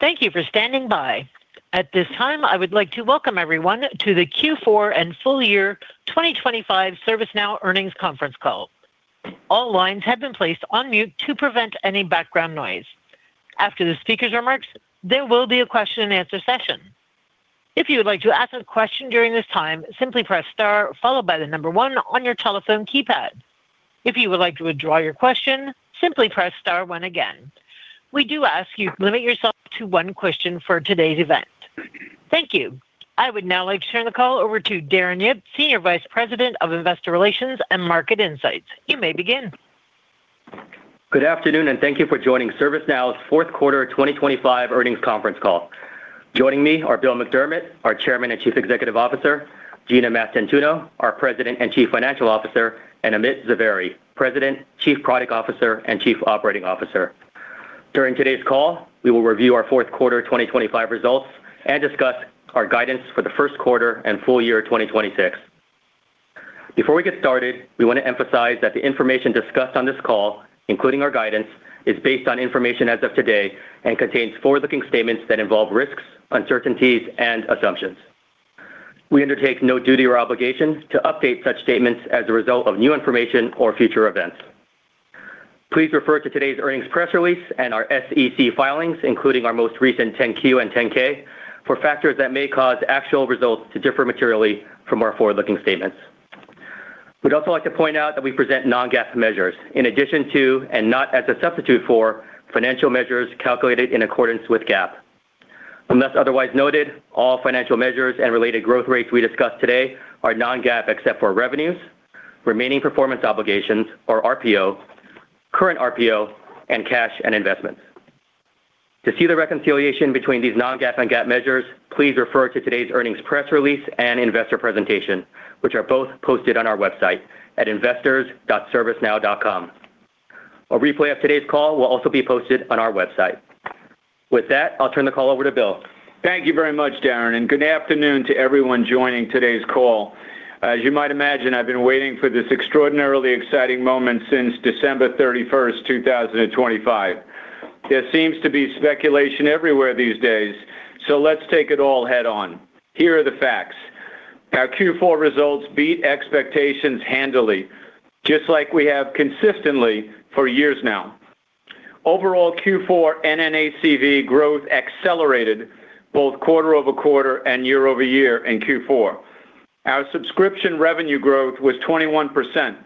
Thank you for standing by. At this time, I would like to welcome everyone to the Q4 and full-year 2025 ServiceNow earnings conference call. All lines have been placed on mute to prevent any background noise. After the speaker's remarks, there will be a question and answer session. If you would like to ask a question during this time, simply press star followed by the number 1 on your telephone keypad. If you would like to withdraw your question, simply press star one again. We do ask you to limit yourself to one question for today's event. Thank you. I would now like to turn the call over to Darren Yip, Senior Vice President of Investor Relations and Market Insights. You may begin. Good afternoon, and thank you for joining ServiceNow's fourth quarter 2025 earnings conference call. Joining me are Bill McDermott, our Chairman and Chief Executive Officer, Gina Mastantuono, our President and Chief Financial Officer, and Amit Zavery, President, Chief Product Officer, and Chief Operating Officer. During today's call, we will review our fourth quarter 2025 results and discuss our guidance for the first quarter and full-year 2026. Before we get started, we want to emphasize that the information discussed on this call, including our guidance, is based on information as of today and contains forward-looking statements that involve risks, uncertainties, and assumptions. We undertake no duty or obligation to update such statements as a result of new information or future events. Please refer to today's earnings press release and our SEC filings, including our most recent 10-Q and 10-K, for factors that may cause actual results to differ materially from our forward-looking statements. We'd also like to point out that we present non-GAAP measures in addition to, and not as a substitute for, financial measures calculated in accordance with GAAP. Unless otherwise noted, all financial measures and related growth rates we discuss today are non-GAAP, except for revenues, remaining performance obligations or RPO, current RPO, and cash and investments. To see the reconciliation between these non-GAAP and GAAP measures, please refer to today's earnings press release and investor presentation, which are both posted on our website at investors.servicenow.com. A replay of today's call will also be posted on our website. With that, I'll turn the call over to Bill. Thank you very much, Darren, and good afternoon to everyone joining today's call. As you might imagine, I've been waiting for this extraordinarily exciting moment since December 31, 2025. There seems to be speculation everywhere these days, so let's take it all head-on. Here are the facts. Our Q4 results beat expectations handily, just like we have consistently for years now. Overall, Q4 NNACV growth accelerated both quarter-over-quarter and year-over-year in Q4. Our subscription revenue growth was 21%,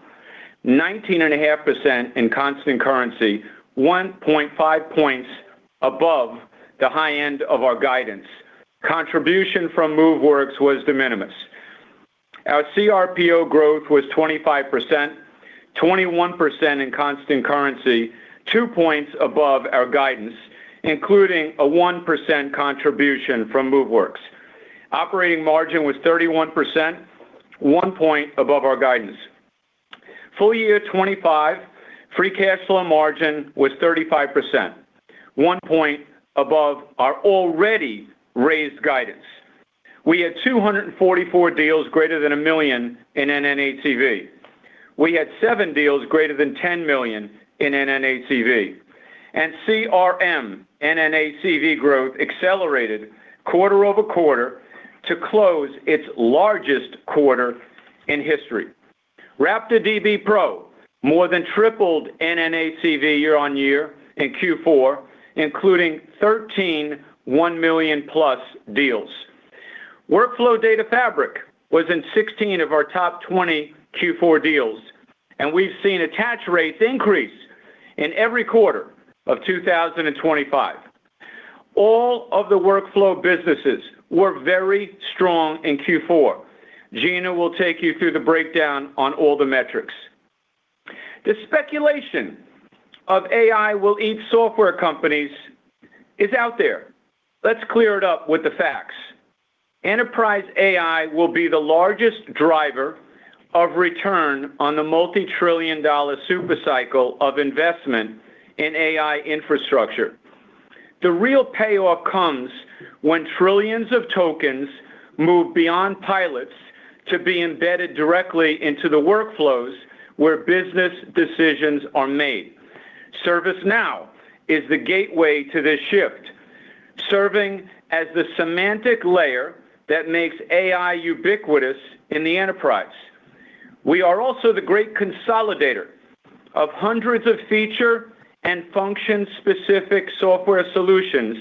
19.5% in constant currency, 1.5 points above the high end of our guidance. Contribution from Moveworks was de minimis. Our CRPO growth was 25%, 21% in constant currency, 2 points above our guidance, including a 1% contribution from Moveworks. Operating margin was 31%, 1 point above our guidance. Full-year 2025, free cash flow margin was 35%, 1 point above our already raised guidance. We had 244 deals greater than $1 million in NNACV. We had 7 deals greater than $10 million in NNACV, and CRM NNACV growth accelerated quarter-over-quarter to close its largest quarter in history. RaptorDB Pro more than tripled NNACV year-on-year in Q4, including 13 $1 million-plus deals. Workflow Data Fabric was in 16 of our top 20 Q4 deals, and we've seen attach rates increase in every quarter of 2025. All of the workflow businesses were very strong in Q4. Gina will take you through the breakdown on all the metrics. The speculation of AI will eat software companies is out there. Let's clear it up with the facts. Enterprise AI will be the largest driver of return on the multi-trillion-dollar super cycle of investment in AI infrastructure. The real payoff comes when trillions of tokens move beyond pilots to be embedded directly into the workflows where business decisions are made. ServiceNow is the gateway to this shift, serving as the semantic layer that makes AI ubiquitous in the enterprise. We are also the great consolidator of hundreds of feature and function-specific software solutions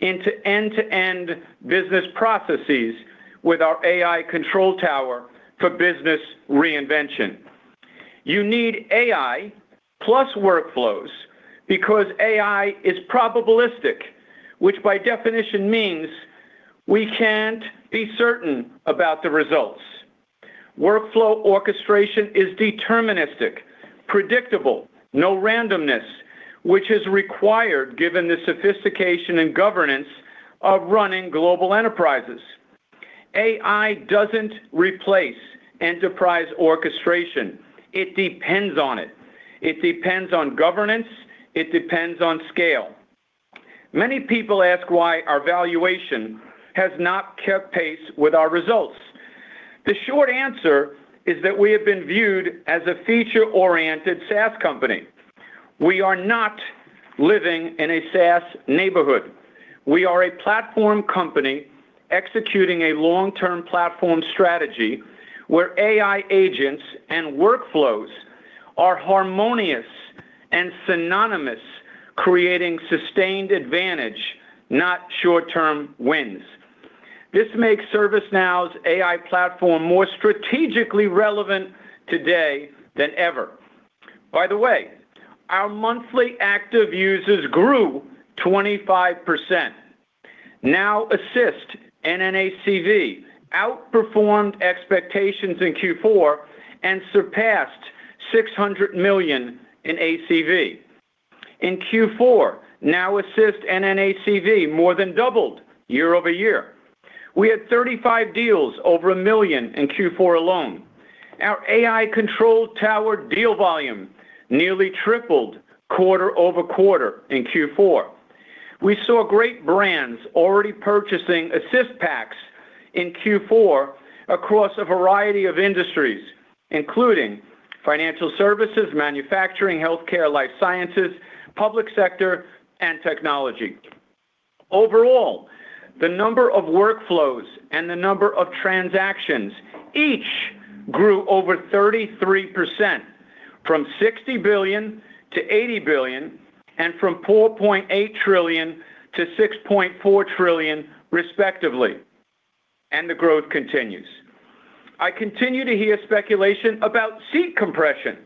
into end-to-end business processes with our AI Control Tower for business reinvention. You need AI plus workflows because AI is probabilistic, which by definition means we can't be certain about the results. Workflow orchestration is deterministic, predictable, no randomness, which is required given the sophistication and governance of running global enterprises. AI doesn't replace enterprise orchestration. It depends on it. It depends on governance. It depends on scale. Many people ask why our valuation has not kept pace with our results. The short answer is that we have been viewed as a feature-oriented SaaS company. We are not living in a SaaS neighborhood. We are a platform company executing a long-term platform strategy where AI agents and workflows are harmonious and synonymous, creating sustained advantage, not short-term wins. This makes ServiceNow's AI platform more strategically relevant today than ever. By the way, our monthly active users grew 25%. Now Assist NNACV outperformed expectations in Q4 and surpassed $600 million in ACV. In Q4, Now Assist NNACV more than doubled year-over-year. We had 35 deals over $1 million in Q4 alone. Our AI Control Tower deal volume nearly tripled quarter-over-quarter in Q4. We saw great brands already purchasing Assist packs in Q4 across a variety of industries, including Financial Services, manufacturing, healthcare, life sciences, public sector, and technology. Overall, the number of workflows and the number of transactions each grew over 33%, from 60 billion to 80 billion, and from 4.8 trillion to 6.4 trillion, respectively, and the growth continues. I continue to hear speculation about seat compression.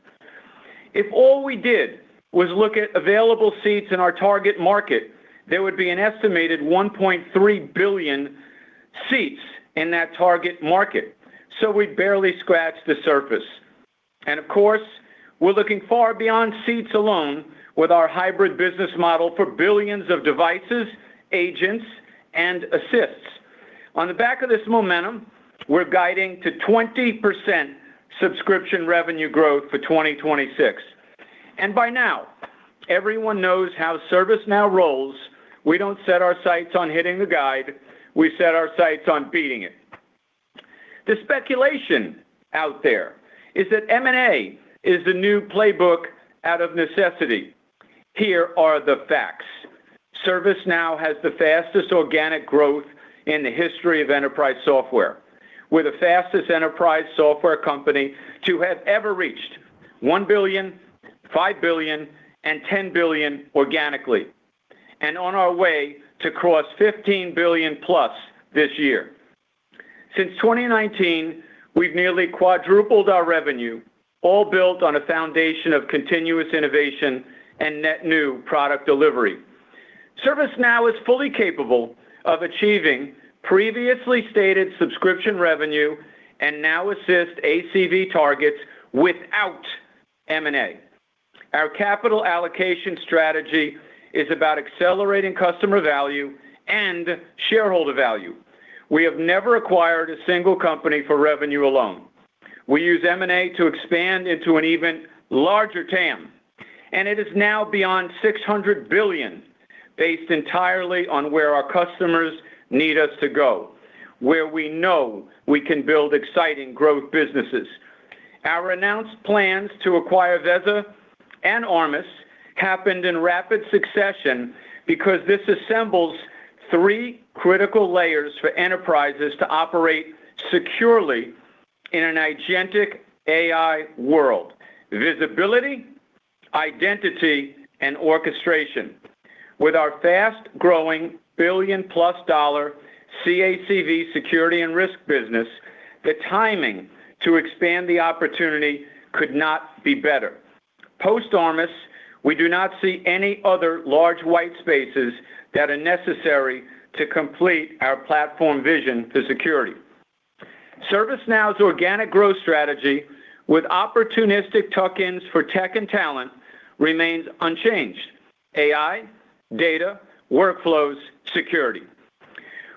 If all we did was look at available seats in our target market, there would be an estimated 1.3 billion seats in that target market, so we'd barely scratch the surface. Of course, we're looking far beyond seats alone with our hybrid business model for billions of devices, agents, and assists. On the back of this momentum, we're guiding to 20% subscription revenue growth for 2026. By now, everyone knows how ServiceNow rolls. We don't set our sights on hitting the guide. We set our sights on beating it. The speculation out there is that M&A is the new playbook out of necessity. Here are the facts. ServiceNow has the fastest organic growth in the history of enterprise software. We're the fastest enterprise software company to have ever reached $1 billion, $5 billion, and $10 billion organically, and on our way to cross $15 billion+ this year. Since 2019, we've nearly quadrupled our revenue, all built on a foundation of continuous innovation and net new product delivery. ServiceNow is fully capable of achieving previously stated subscription revenue and Now Assist ACV targets without M&A. Our capital allocation strategy is about accelerating customer value and shareholder value. We have never acquired a single company for revenue alone. We use M&A to expand into an even larger TAM, and it is now beyond $600 billion, based entirely on where our customers need us to go, where we know we can build exciting growth businesses. Our announced plans to acquire Veza and Moveworks happened in rapid succession because this assembles three critical layers for enterprises to operate securely in an agentic AI world: visibility, identity, and orchestration. With our fast-growing $1 billion+ ACV Security and Risk business, the timing to expand the opportunity could not be better. Post-Moveworks, we do not see any other large white spaces that are necessary to complete our platform vision to security. ServiceNow's organic growth strategy with opportunistic tuck-ins for tech and talent remains unchanged. AI, data, workflows, security.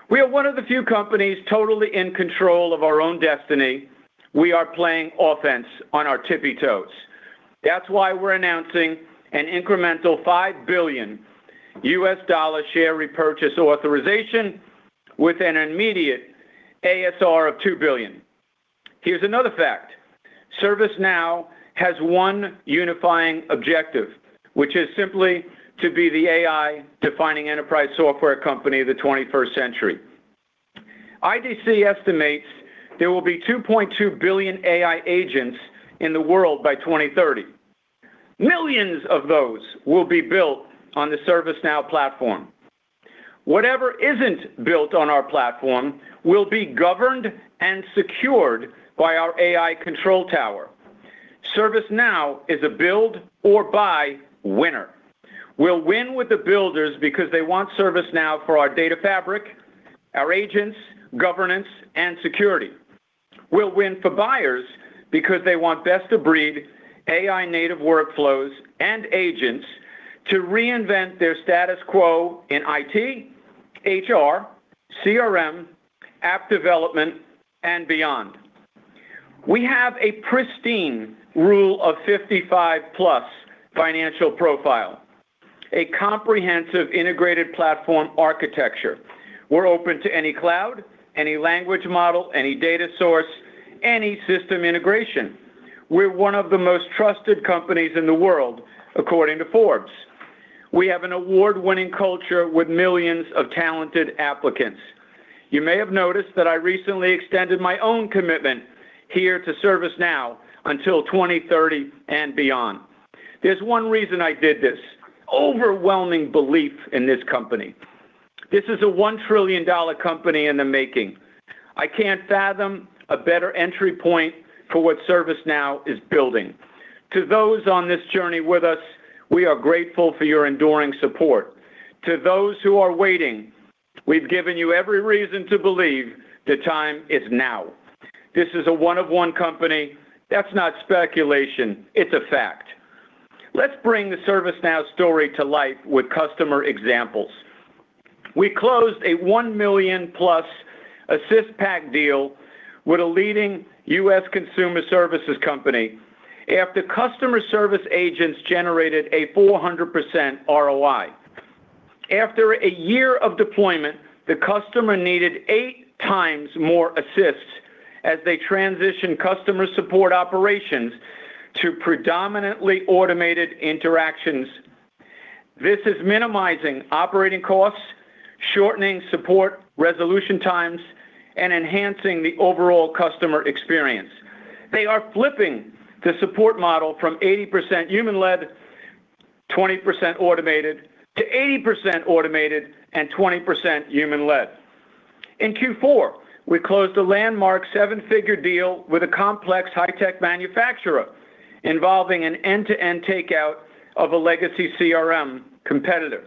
We are one of the few companies totally in control of our own destiny. We are playing offense on our tippy-toes. That's why we're announcing an incremental $5 billion share repurchase authorization with an immediate ASR of $2 billion. Here's another fact. ServiceNow has one unifying objective, which is simply to be the AI-defining enterprise software company of the 21st century. IDC estimates there will be 2.2 billion AI agents in the world by 2030. Millions of those will be built on the ServiceNow platform. Whatever isn't built on our platform will be governed and secured by our AI Control Tower. ServiceNow is a build or buy winner. We'll win with the builders because they want ServiceNow for our data fabric, our agents, governance, and security. We'll win for buyers because they want best-of-breed, AI-native workflows and agents to reinvent their status quo in IT, HR, CRM, app development, and beyond. We have a pristine Rule of 55+ financial profile, a comprehensive integrated platform architecture. We're open to any cloud, any language model, any data source, any system integration. We're one of the most trusted companies in the world, according to Forbes. We have an award-winning culture with millions of talented applicants. You may have noticed that I recently extended my own commitment here to ServiceNow until 2030 and beyond. There's one reason I did this, overwhelming belief in this company. This is a 1 trillion-dollar company in the making. I can't fathom a better entry point for what ServiceNow is building. To those on this journey with us, we are grateful for your enduring support. To those who are waiting, we've given you every reason to believe the time is now. This is a one of one company. That's not speculation, it's a fact. Let's bring the ServiceNow story to life with customer examples. We closed a $1 million+ Assist Pack deal with a leading U.S. consumer services company after customer service agents generated a 400% ROI. After a year of deployment, the customer needed 8 times more assists as they transitioned customer support operations to predominantly automated interactions. This is minimizing operating costs, shortening support resolution times, and enhancing the overall customer experience. They are flipping the support model from 80% human-led, 20% automated, to 80% automated and 20% human-led. In Q4, we closed a landmark seven-figure deal with a complex high-tech manufacturer, involving an end-to-end takeout of a legacy CRM competitor.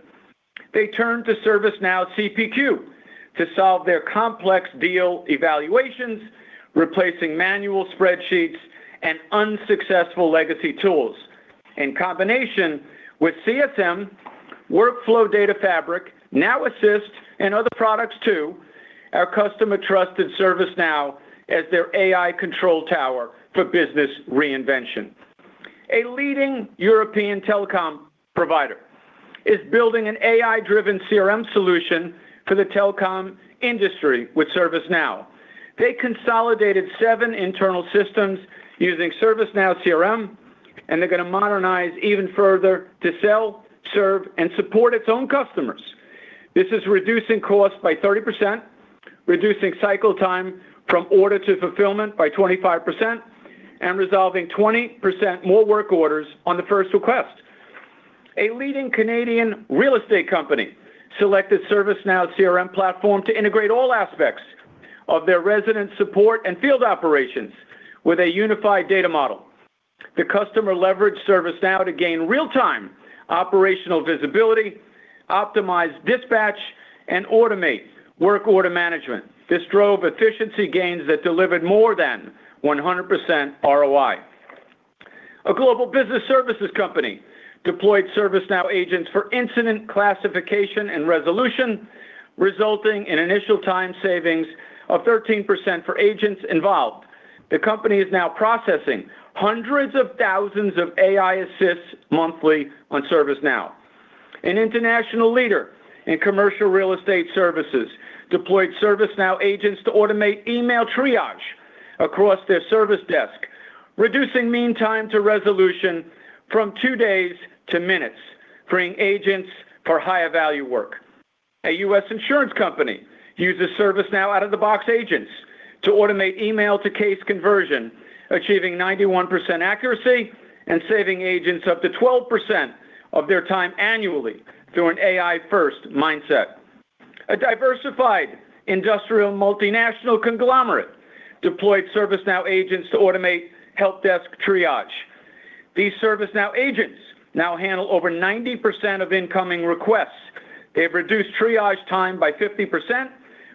They turned to ServiceNow CPQ to solve their complex deal evaluations, replacing manual spreadsheets and unsuccessful legacy tools. In combination with CSM, Workflow Data Fabric, Now Assist, and other products too, our customer trusted ServiceNow as their AI Control Tower for business reinvention. A leading European telecom provider is building an AI-driven CRM solution for the telecom industry with ServiceNow. They consolidated seven internal systems using ServiceNow CRM, and they're gonna modernize even further to sell, serve, and support its own customers. This is reducing cost by 30%, reducing cycle time from order to fulfillment by 25%, and resolving 20% more work orders on the first request. A leading Canadian real estate company selected ServiceNow CRM platform to integrate all aspects of their resident support and field operations with a unified data model. The customer leveraged ServiceNow to gain real-time operational visibility, optimize dispatch, and automate work order management. This drove efficiency gains that delivered more than 100% ROI. A global business services company deployed ServiceNow agents for incident classification and resolution, resulting in initial time savings of 13% for agents involved. The company is now processing hundreds of thousands of AI assists monthly on ServiceNow. An international leader in commercial real estate services deployed ServiceNow agents to automate email triage across their service desk, reducing mean time to resolution from two days to minutes, freeing agents for higher value work. A U.S. insurance company uses ServiceNow out-of-the-box agents to automate email to case conversion, achieving 91% accuracy and saving agents up to 12% of their time annually through an AI-first mindset. A diversified industrial multinational conglomerate deployed ServiceNow agents to automate help desk triage. These ServiceNow agents now handle over 90% of incoming requests. They've reduced triage time by 50%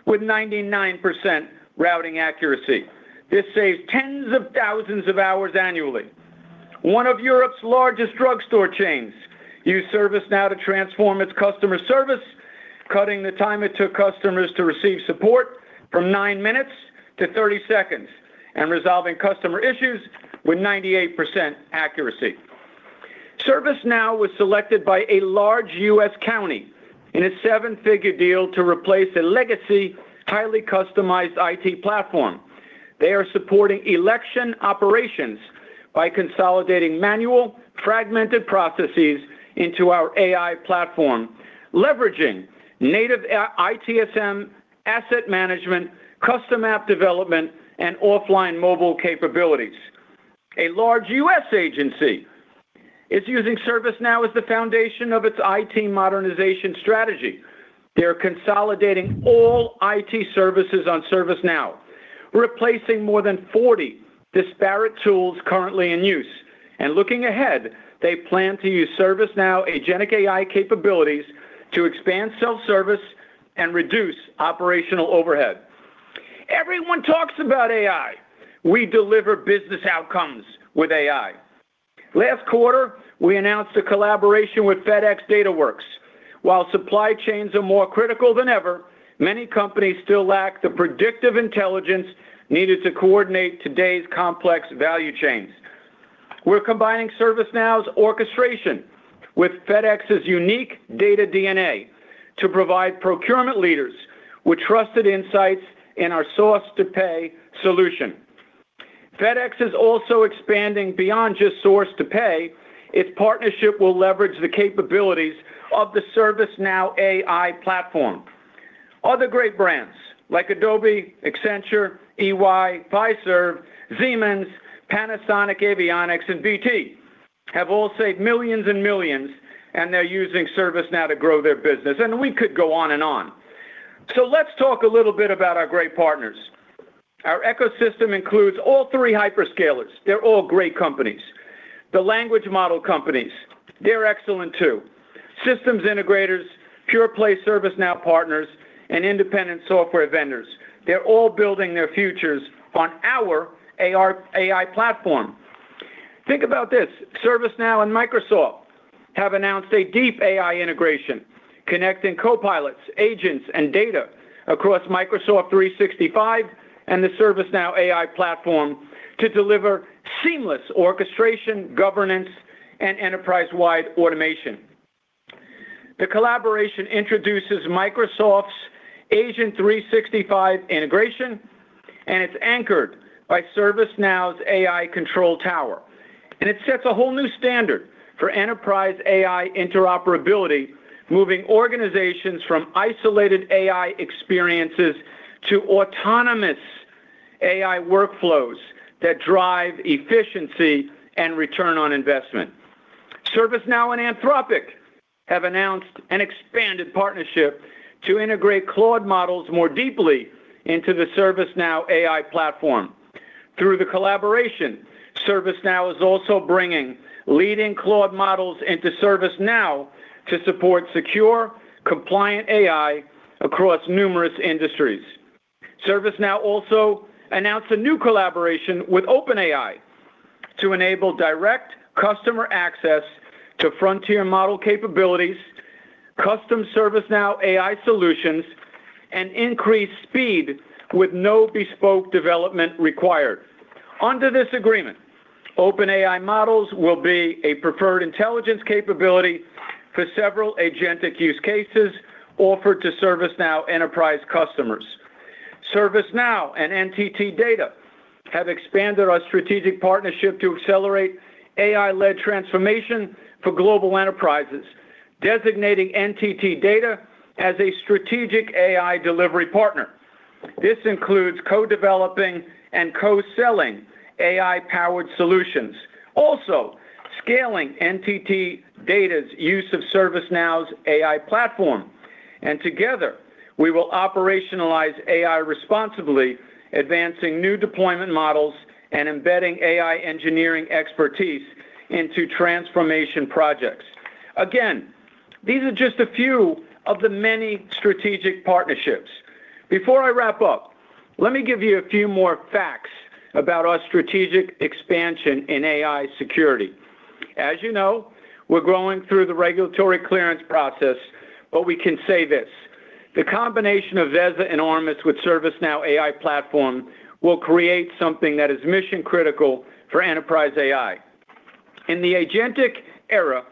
with 99% routing accuracy. This saves tens of thousands of hours annually. One of Europe's largest drugstore chains used ServiceNow to transform its customer service, cutting the time it took customers to receive support from nine minutes to 30 seconds and resolving customer issues with 98% accuracy. ServiceNow was selected by a large US county in a seven-figure deal to replace a legacy, highly customized IT platform. They are supporting election operations by consolidating manual, fragmented processes into our AI platform, leveraging native, ITSM, asset management, custom app development, and offline mobile capabilities. A large US agency is using ServiceNow as the foundation of its IT modernization strategy. They're consolidating all IT services on ServiceNow, replacing more than 40 disparate tools currently in use. And looking ahead, they plan to use ServiceNow agentic AI capabilities to expand self-service and reduce operational overhead. Everyone talks about AI. We deliver business outcomes with AI... Last quarter, we announced a collaboration with FedEx DataWorks. While supply chains are more critical than ever, many companies still lack the predictive intelligence needed to coordinate today's complex value chains. We're combining ServiceNow's orchestration with FedEx's unique data DNA to provide procurement leaders with trusted insights in our source-to-pay solution. FedEx is also expanding beyond just source-to-pay. Its partnership will leverage the capabilities of the ServiceNow AI platform. Other great brands like Adobe, Accenture, EY, Fiserv, Siemens, Panasonic Avionics, and BT have all saved millions and millions, and they're using ServiceNow to grow their business, and we could go on and on. So let's talk a little bit about our great partners. Our ecosystem includes all three hyperscalers. They're all great companies. The language model companies, they're excellent, too. Systems integrators, pure-play ServiceNow partners, and independent software vendors, they're all building their futures on our AI platform. Think about this: ServiceNow and Microsoft have announced a deep AI integration, connecting copilots, agents, and data across Microsoft 365 and the ServiceNow AI platform to deliver seamless orchestration, governance, and enterprise-wide automation. The collaboration introduces Microsoft's Agent 365 integration, and it's anchored by ServiceNow's AI Control Tower. It sets a whole new standard for enterprise AI interoperability, moving organizations from isolated AI experiences to autonomous AI workflows that drive efficiency and return on investment. ServiceNow and Anthropic have announced an expanded partnership to integrate Claude models more deeply into the ServiceNow AI platform. Through the collaboration, ServiceNow is also bringing leading Claude models into ServiceNow to support secure, compliant AI across numerous industries. ServiceNow also announced a new collaboration with OpenAI to enable direct customer access to frontier model capabilities, custom ServiceNow AI solutions, and increased speed with no bespoke development required. Under this agreement, OpenAI models will be a preferred intelligence capability for several agentic use cases offered to ServiceNow enterprise customers. ServiceNow and NTT DATA have expanded our strategic partnership to accelerate AI-led transformation for global enterprises, designating NTT DATA as a strategic AI delivery partner. This includes co-developing and co-selling AI-powered solutions. Also, scaling NTT DATA's use of ServiceNow's AI Platform. Together, we will operationalize AI responsibly, advancing new deployment models and embedding AI engineering expertise into transformation projects. Again, these are just a few of the many strategic partnerships. Before I wrap up, let me give you a few more facts about our strategic expansion in AI security. As you know, we're going through the regulatory clearance process, but we can say this: the combination of Veza and Armis with ServiceNow AI Platform will create something that is mission-critical for enterprise AI. In the agentic era,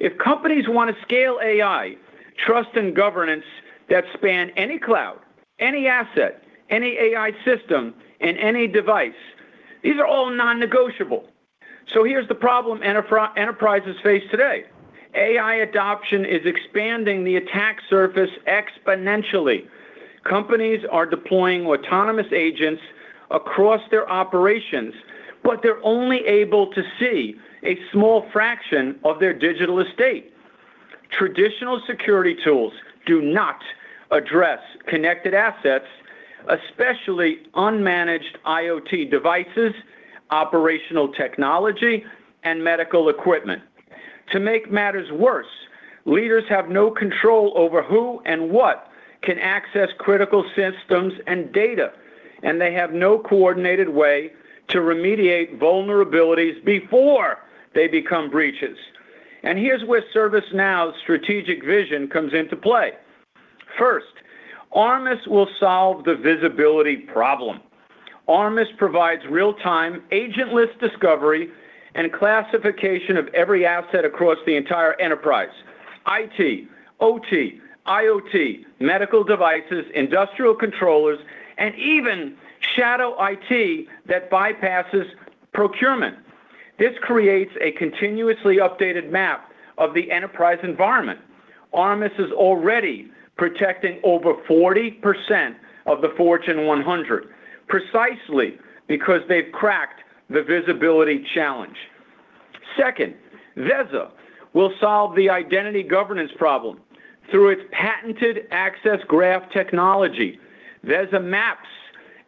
if companies want to scale AI, trust and governance that span any cloud, any asset, any AI system, and any device, these are all non-negotiable. So here's the problem enterprises face today. AI adoption is expanding the attack surface exponentially. Companies are deploying autonomous agents across their operations, but they're only able to see a small fraction of their digital estate. Traditional security tools do not address connected assets, especially unmanaged IoT devices, operational technology, and medical equipment. To make matters worse, leaders have no control over who and what can access critical systems and data, and they have no coordinated way to remediate vulnerabilities before they become breaches. Here's where ServiceNow's strategic vision comes into play. First, Armis will solve the visibility problem. Armis provides real-time agentless discovery and classification of every asset across the entire enterprise: IT, OT, IoT, medical devices, industrial controllers, and even shadow IT that bypasses procurement. This creates a continuously updated map of the enterprise environment. Armis is already protecting over 40% of the Fortune 100, precisely because they've cracked the visibility challenge. Second, Veza will solve the identity governance problem through its patented access graph technology. Veza maps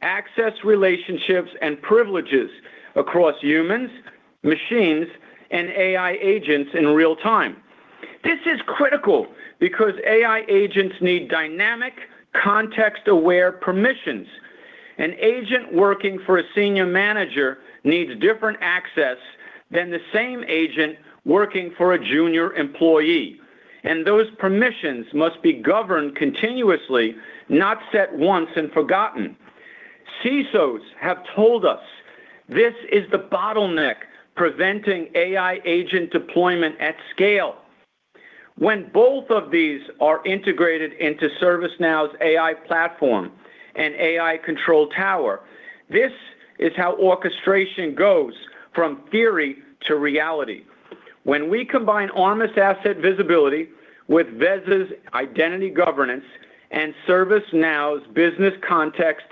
access relationships and privileges across humans, machines, and AI agents in real time. This is critical because AI agents need dynamic, context-aware permissions.... An agent working for a senior manager needs different access than the same agent working for a junior employee, and those permissions must be governed continuously, not set once and forgotten. CISOs have told us this is the bottleneck preventing AI agent deployment at scale. When both of these are integrated into ServiceNow's AI Platform and AI Control Tower, this is how orchestration goes from theory to reality. When we combine Armis asset visibility with Veza's identity governance and ServiceNow's business context,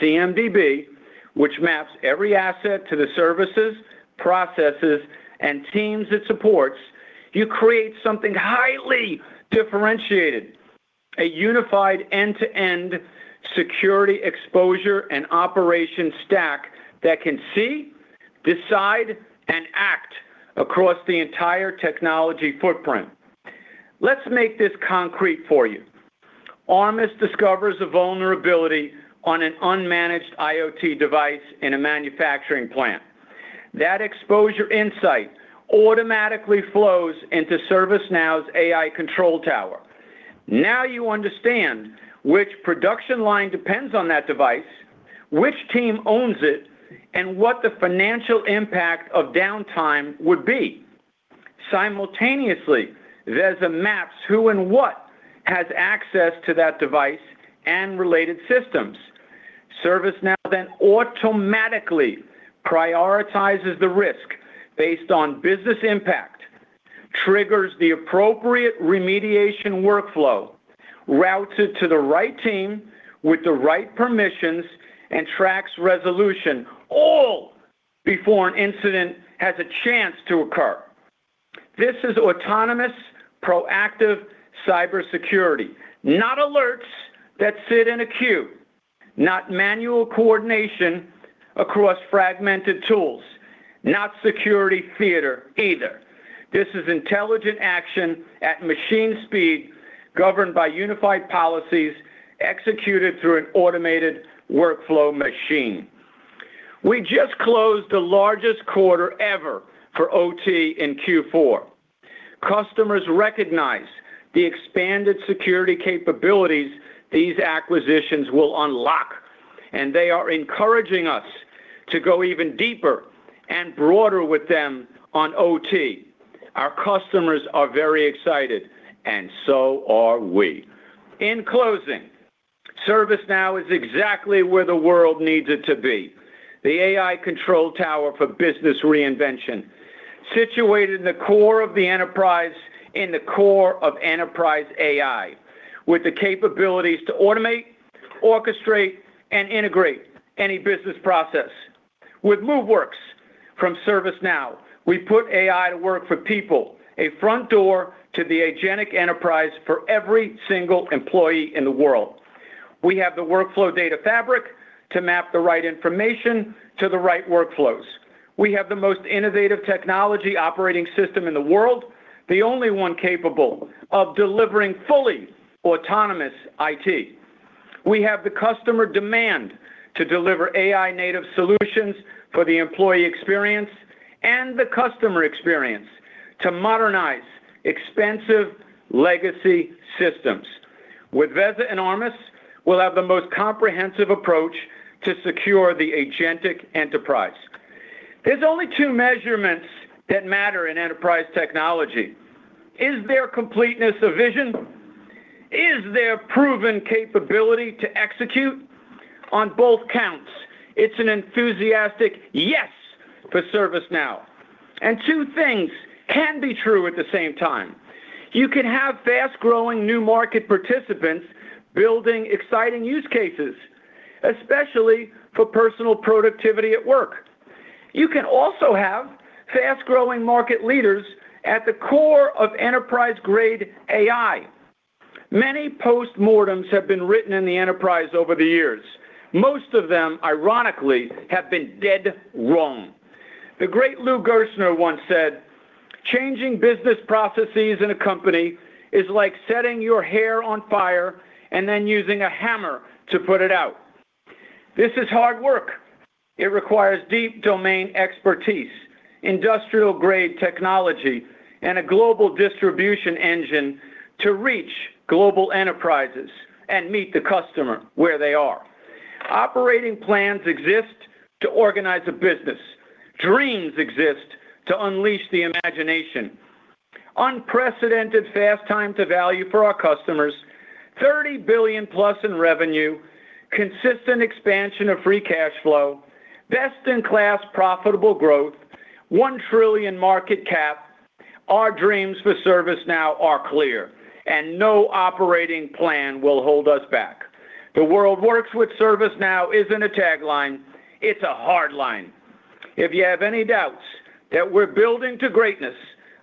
CMDB, which maps every asset to the services, processes, and teams it supports, you create something highly differentiated, a unified end-to-end security exposure and operation stack that can see, decide, and act across the entire technology footprint. Let's make this concrete for you. Armis discovers a vulnerability on an unmanaged IoT device in a manufacturing plant. That exposure insight automatically flows into ServiceNow's AI Control Tower. Now, you understand which production line depends on that device, which team owns it, and what the financial impact of downtime would be. Simultaneously, Veza maps who and what has access to that device and related systems. ServiceNow then automatically prioritizes the risk based on business impact, triggers the appropriate remediation workflow, routes it to the right team with the right permissions, and tracks resolution, all before an incident has a chance to occur. This is autonomous, proactive cybersecurity. Not alerts that sit in a queue, not manual coordination across fragmented tools, not security theater either. This is intelligent action at machine speed, governed by unified policies, executed through an automated workflow machine. We just closed the largest quarter ever for OT in Q4. Customers recognize the expanded security capabilities these acquisitions will unlock, and they are encouraging us to go even deeper and broader with them on OT. Our customers are very excited, and so are we. In closing, ServiceNow is exactly where the world needs it to be. The AI Control Tower for business reinvention, situated in the core of the enterprise, in the core of enterprise AI, with the capabilities to automate, orchestrate, and integrate any business process. With Moveworks from ServiceNow, we put AI to work for people, a front door to the agentic enterprise for every single employee in the world. We have the Workflow Data Fabric to map the right information to the right workflows. We have the most innovative technology operating system in the world, the only one capable of delivering fully autonomous IT. We have the customer demand to deliver AI-native solutions for the employee experience and the customer experience to modernize expensive legacy systems. With Veza and Armis, we'll have the most comprehensive approach to secure the agentic enterprise. There's only two measurements that matter in enterprise technology. Is there completeness of vision? Is there proven capability to execute? On both counts, it's an enthusiastic yes for ServiceNow, and two things can be true at the same time. You can have fast-growing new market participants building exciting use cases, especially for personal productivity at work. You can also have fast-growing market leaders at the core of enterprise-grade AI. Many post-mortems have been written in the enterprise over the years. Most of them, ironically, have been dead wrong. The great Lou Gerstner once said, "Changing business processes in a company is like setting your hair on fire and then using a hammer to put it out." This is hard work. It requires deep domain expertise, industrial-grade technology, and a global distribution engine to reach global enterprises and meet the customer where they are. Operating plans exist to organize a business. Dreams exist to unleash the imagination. Unprecedented fast time to value for our customers, $30 billion+ in revenue, consistent expansion of free cash flow, best-in-class profitable growth, $1 trillion market cap. Our dreams for ServiceNow are clear, and no operating plan will hold us back. The world works with ServiceNow isn't a tagline, it's a hard line. If you have any doubts that we're building to greatness,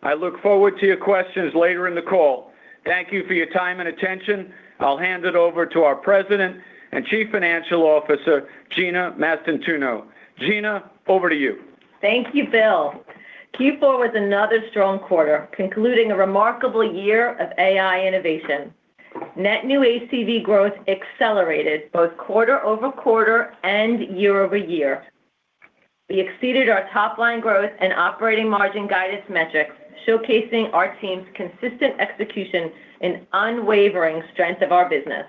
I look forward to your questions later in the call. Thank you for your time and attention. I'll hand it over to our President and Chief Financial Officer, Gina Mastantuono. Gina, over to you. Thank you, Bill. Q4 was another strong quarter, concluding a remarkable year of AI innovation. Net new ACV growth accelerated both quarter-over-quarter and year-over-year. We exceeded our top-line growth and operating margin guidance metrics, showcasing our team's consistent execution and unwavering strength of our business.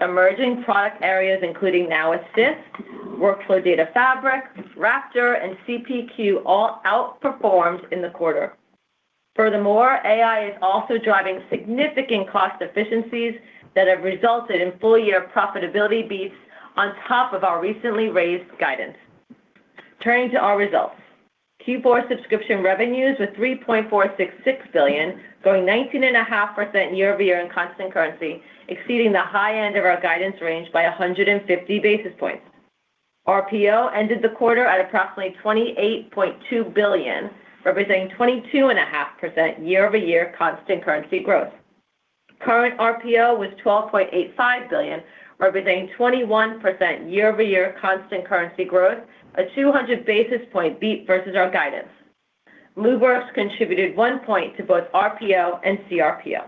Emerging product areas, including Now Assist, Workflow Data Fabric, Raptor, and CPQ, all outperformed in the quarter. Furthermore, AI is also driving significant cost efficiencies that have resulted in full-year profitability beats on top of our recently raised guidance. Turning to our results. Q4 subscription revenues were $3.466 billion, growing 19.5% year-over-year in constant currency, exceeding the high end of our guidance range by 150 basis points. RPO ended the quarter at approximately $28.2 billion, representing 22.5% year-over-year constant currency growth. Current RPO was $12.85 billion, representing 21% year-over-year constant currency growth, a 200 basis point beat versus our guidance. Moveworks contributed one point to both RPO and CRPO.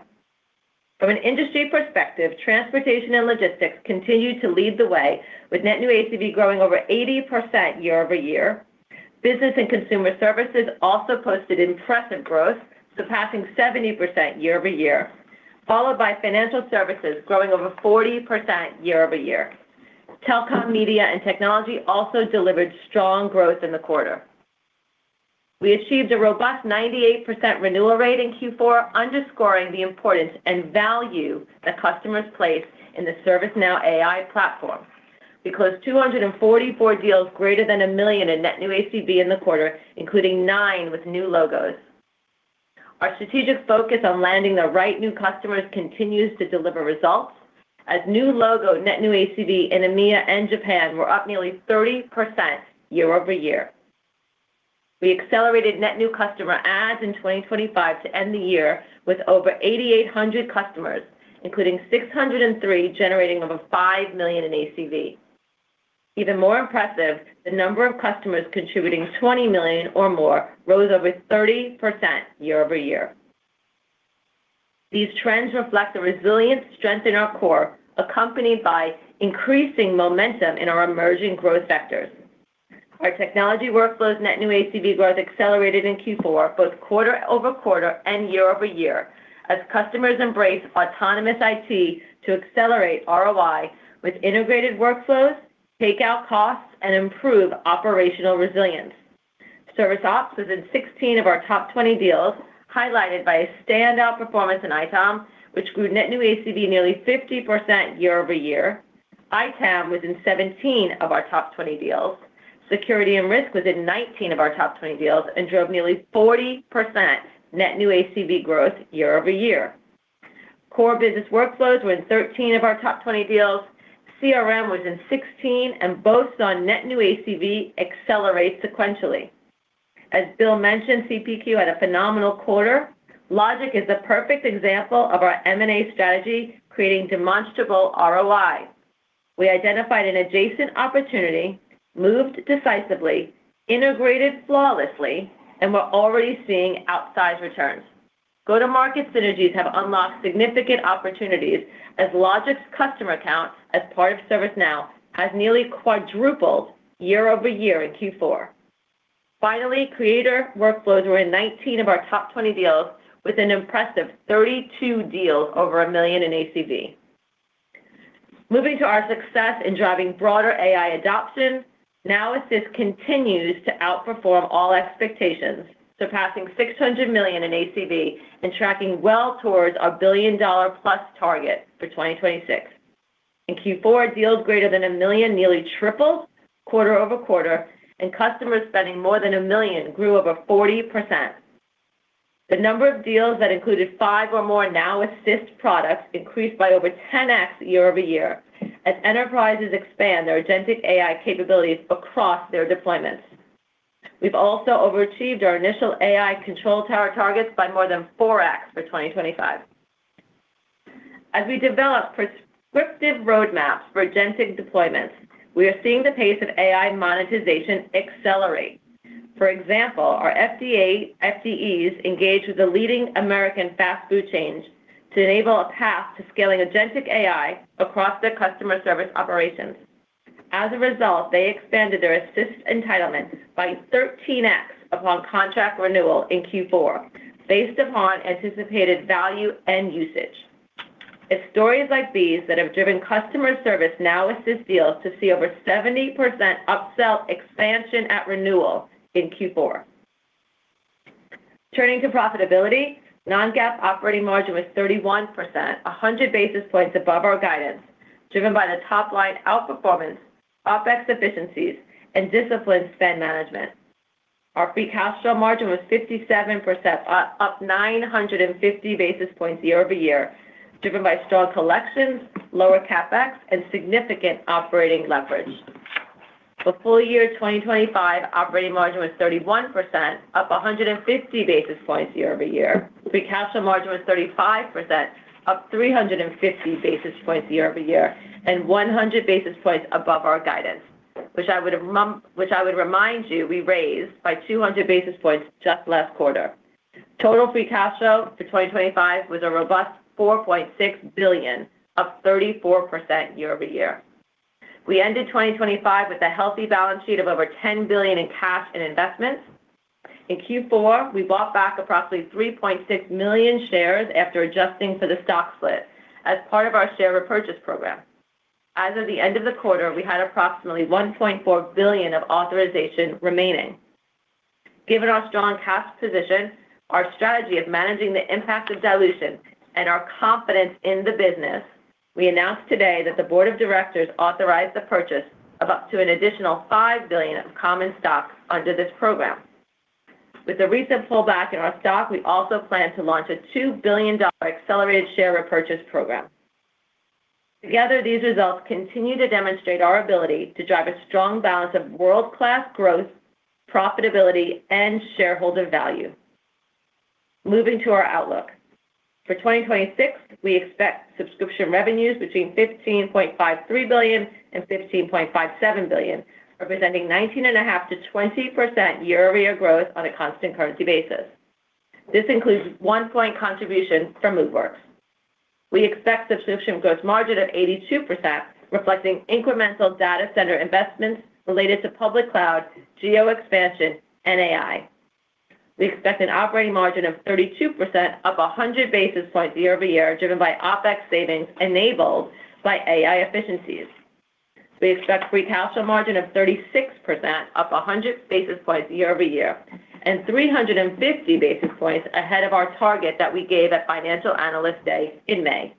From an industry perspective, Transportation and Logistics continued to lead the way, with net new ACV growing over 80% year-over-year. Business and Consumer Services also posted impressive growth, surpassing 70% year-over-year, followed by Financial Services growing over 40% year-over-year. Telecom, Media, and Technology also delivered strong growth in the quarter. We achieved a robust 98% renewal rate in Q4, underscoring the importance and value that customers place in the ServiceNow AI Platform. We closed 244 deals greater than $1 million in net new ACV in the quarter, including nine with new logos. Our strategic focus on landing the right new customers continues to deliver results, as new logo net new ACV in EMEA and Japan were up nearly 30% year-over-year. We accelerated net new customer adds in 2025 to end the year with over 8,800 customers, including 603, generating over $5 million in ACV. Even more impressive, the number of customers contributing $20 million or more rose over 30% year-over-year. These trends reflect the resilient strength in our core, accompanied by increasing momentum in our emerging growth sectors. Our Technology Workflows net new ACV growth accelerated in Q4, both quarter-over-quarter and year-over-year, as customers embrace autonomous IT to accelerate ROI with integrated workflows, take out costs, and improve operational resilience. ServiceOps was in 16 of our top 20 deals, highlighted by a standout performance in ITOM, which grew net new ACV nearly 50% year-over-year. ITAM was in 17 of our top 20 deals. Security and Risk was in 19 of our top 20 deals and drove nearly 40% net new ACV growth year-over-year. Core business workflows were in 13 of our top 20 deals. CRM was in 16 and boasts on net new ACV accelerate sequentially. As Bill mentioned, CPQ had a phenomenal quarter. Logik.io is a perfect example of our M&A strategy, creating demonstrable ROI. We identified an adjacent opportunity, moved decisively, integrated flawlessly, and we're already seeing outsized returns. Go-to-market synergies have unlocked significant opportunities as Logik's customer count as part of ServiceNow has nearly quadrupled year-over-year in Q4. Finally, Creator Workflows were in 19 of our top 20 deals, with an impressive 32 deals over $1 million in ACV. Moving to our success in driving broader AI adoption, Now Assist continues to outperform all expectations, surpassing $600 million in ACV and tracking well towards our $1 billion-plus target for 2026. In Q4, deals greater than $1 million nearly tripled quarter-over-quarter, and customers spending more than $1 million grew over 40%. The number of deals that included five or more Now Assist products increased by over 10x year-over-year, as enterprises expand their agentic AI capabilities across their deployments. We've also overachieved our initial AI Control Tower targets by more than 4x for 2025. As we develop prescriptive roadmaps for agentic deployments, we are seeing the pace of AI monetization accelerate. For example, our SEs engaged with the leading American fast food chains to enable a path to scaling agentic AI across their customer service operations. As a result, they expanded their Assist entitlement by 13x upon contract renewal in Q4, based upon anticipated value and usage. It's stories like these that have driven customer service Now Assist deals to see over 70% upsell expansion at renewal in Q4. Turning to profitability, non-GAAP operating margin was 31%, 100 basis points above our guidance, driven by the top-line outperformance, OpEx efficiencies, and disciplined spend management. Our free cash flow margin was 57%, up 950 basis points year-over-year, driven by strong collections, lower CapEx, and significant operating leverage. For full-year 2025, operating margin was 31%, up 150 basis points year-over-year. Free cash flow margin was 35%, up 350 basis points year-over-year, and 100 basis points above our guidance, which I would remind you, we raised by 200 basis points just last quarter. Total free cash flow for 2025 was a robust $4.6 billion, up 34% year-over-year. We ended 2025 with a healthy balance sheet of over $10 billion in cash and investments. In Q4, we bought back approximately 3.6 million shares after adjusting for the stock split as part of our share repurchase program. As of the end of the quarter, we had approximately $1.4 billion of authorization remaining. Given our strong cash position, our strategy of managing the impact of dilution, and our confidence in the business, we announced today that the board of directors authorized the purchase of up to an additional $5 billion of common stock under this program. With the recent pullback in our stock, we also plan to launch a $2 billion accelerated share repurchase program. Together, these results continue to demonstrate our ability to drive a strong balance of world-class growth, profitability, and shareholder value. Moving to our outlook. For 2026, we expect subscription revenues between $15.53 billion and $15.57 billion, representing 19.5%-20% year-over-year growth on a constant currency basis. This includes 1% contribution from Moveworks. We expect subscription gross margin of 82%, reflecting incremental data center investments related to public cloud, geo expansion, and AI. We expect an operating margin of 32%, up 100 basis points year-over-year, driven by OpEx savings enabled by AI efficiencies. We expect free cash flow margin of 36%, up 100 basis points year-over-year, and 350 basis points ahead of our target that we gave at Financial Analyst Day in May.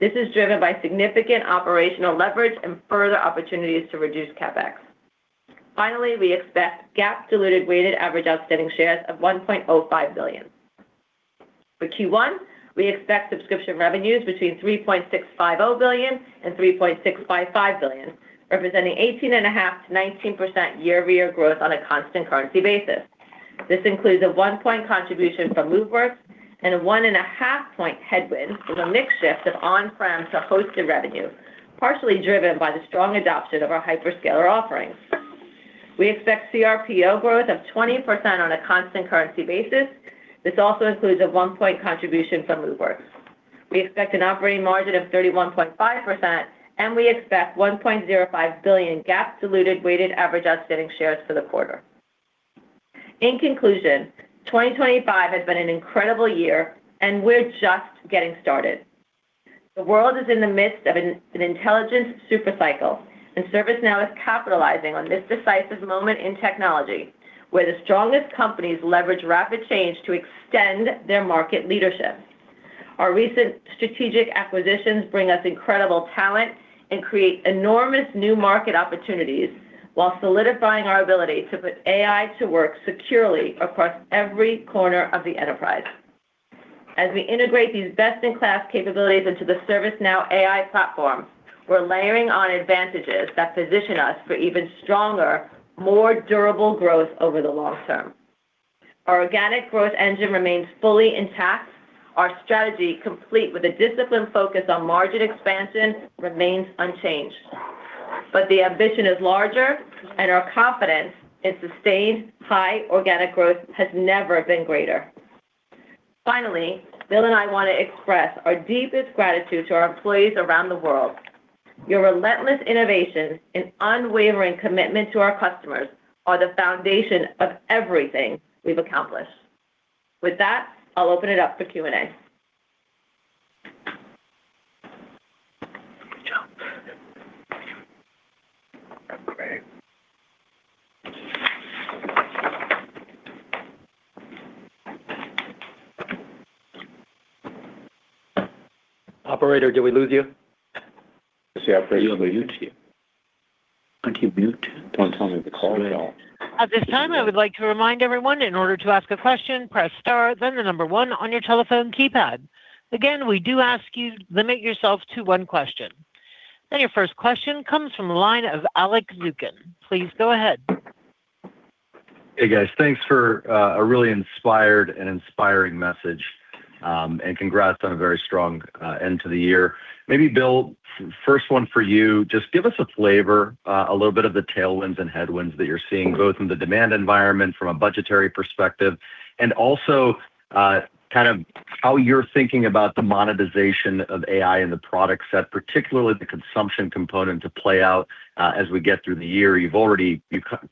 This is driven by significant operational leverage and further opportunities to reduce CapEx. Finally, we expect GAAP diluted weighted average outstanding shares of 1.05 billion. For Q1, we expect subscription revenues between $3.65 billion and $3.655 billion, representing 18.5%-19% year-over-year growth on a constant currency basis. This includes a one point contribution from Moveworks and a 1.5-point headwind with a mix shift of on-prem to hosted revenue, partially driven by the strong adoption of our hyperscaler offerings. We expect CRPO growth of 20% on a constant currency basis. This also includes a 1-point contribution from Moveworks. We expect an operating margin of 31.5%, and we expect 1.05 billion GAAP diluted weighted average outstanding shares for the quarter. In conclusion, 2025 has been an incredible year, and we're just getting started. The world is in the midst of an intelligence super cycle, and ServiceNow is capitalizing on this decisive moment in technology, where the strongest companies leverage rapid change to extend their market leadership. Our recent strategic acquisitions bring us incredible talent and create enormous new market opportunities while solidifying our ability to put AI to work securely across every corner of the enterprise. As we integrate these best-in-class capabilities into the ServiceNow AI Platform, we're layering on advantages that position us for even stronger, more durable growth over the long term. Our organic growth engine remains fully intact. Our strategy, complete with a disciplined focus on margin expansion, remains unchanged. But the ambition is larger, and our confidence in sustained high organic growth has never been greater. Finally, Bill and I want to express our deepest gratitude to our employees around the world. Your relentless innovation and unwavering commitment to our customers are the foundation of everything we've accomplished. With that, I'll open it up for Q&A. Good job. That's great. Operator, did we lose you? Yes, the operator- Are you on mute? Are you mute? Don't tell me the call at all. At this time, I would like to remind everyone, in order to ask a question, press star, then the number one on your telephone keypad. Again, we do ask you, limit yourself to one question. Then your first question comes from the line of Alex Zukin. Please, go ahead. Hey, guys. Thanks for a really inspired and inspiring message, and congrats on a very strong end to the year. Maybe, Bill, first one for you, just give us a flavor, a little bit of the tailwinds and headwinds that you're seeing, both in the demand environment from a budgetary perspective, and also, kind of how you're thinking about the monetization of AI and the product set, particularly the consumption component, to play out, as we get through the year. You've already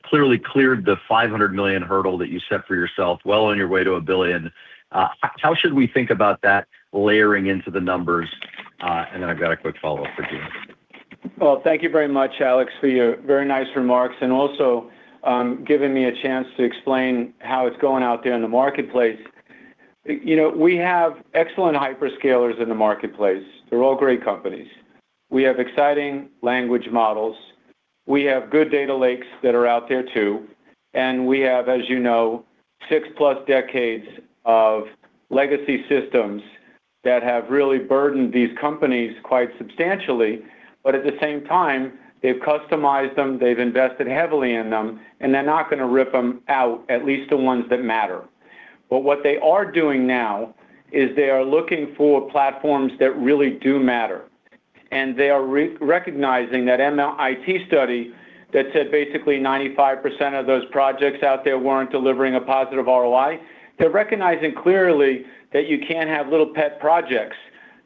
clearly cleared the $500 million hurdle that you set for yourself, well on your way to $1 billion. And then I've got a quick follow-up for Gina. Well, thank you very much, Alex, for your very nice remarks, and also, giving me a chance to explain how it's going out there in the marketplace. You know, we have excellent hyperscalers in the marketplace. They're all great companies. We have exciting language models, we have good data lakes that are out there, too, and we have, as you know, six plus decades of legacy systems that have really burdened these companies quite substantially. But at the same time, they've customized them, they've invested heavily in them, and they're not gonna rip them out, at least the ones that matter. But what they are doing now is they are looking for platforms that really do matter... and they are re-recognizing that MIT study that said basically 95% of those projects out there weren't delivering a positive ROI. They're recognizing clearly that you can't have little pet projects,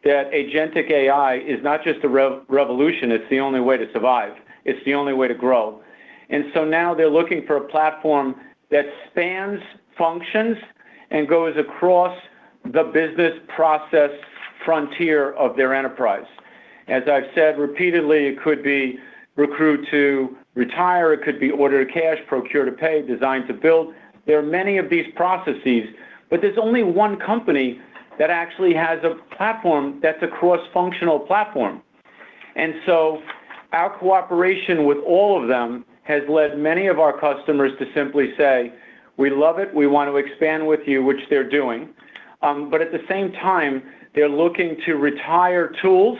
that agentic AI is not just a revolution, it's the only way to survive. It's the only way to grow. And so now they're looking for a platform that spans functions and goes across the business process frontier of their enterprise. As I've said repeatedly, it could be recruit to retire, it could be order to cash, procure to pay, design to build. There are many of these processes, but there's only one company that actually has a platform that's a cross-functional platform. And so our cooperation with all of them has led many of our customers to simply say, "We love it. We want to expand with you," which they're doing. But at the same time, they're looking to retire tools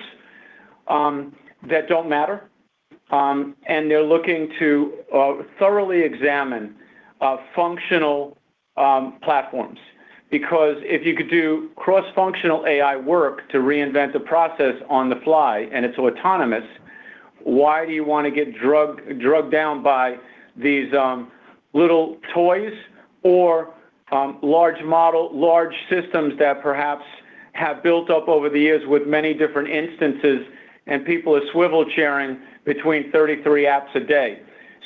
that don't matter, and they're looking to thoroughly examine functional platforms. Because if you could do cross-functional AI work to reinvent the process on the fly, and it's autonomous, why do you want to get dragged down by these little toys or large model-large systems that perhaps have built up over the years with many different instances, and people are swivel chairing between 33 apps a day?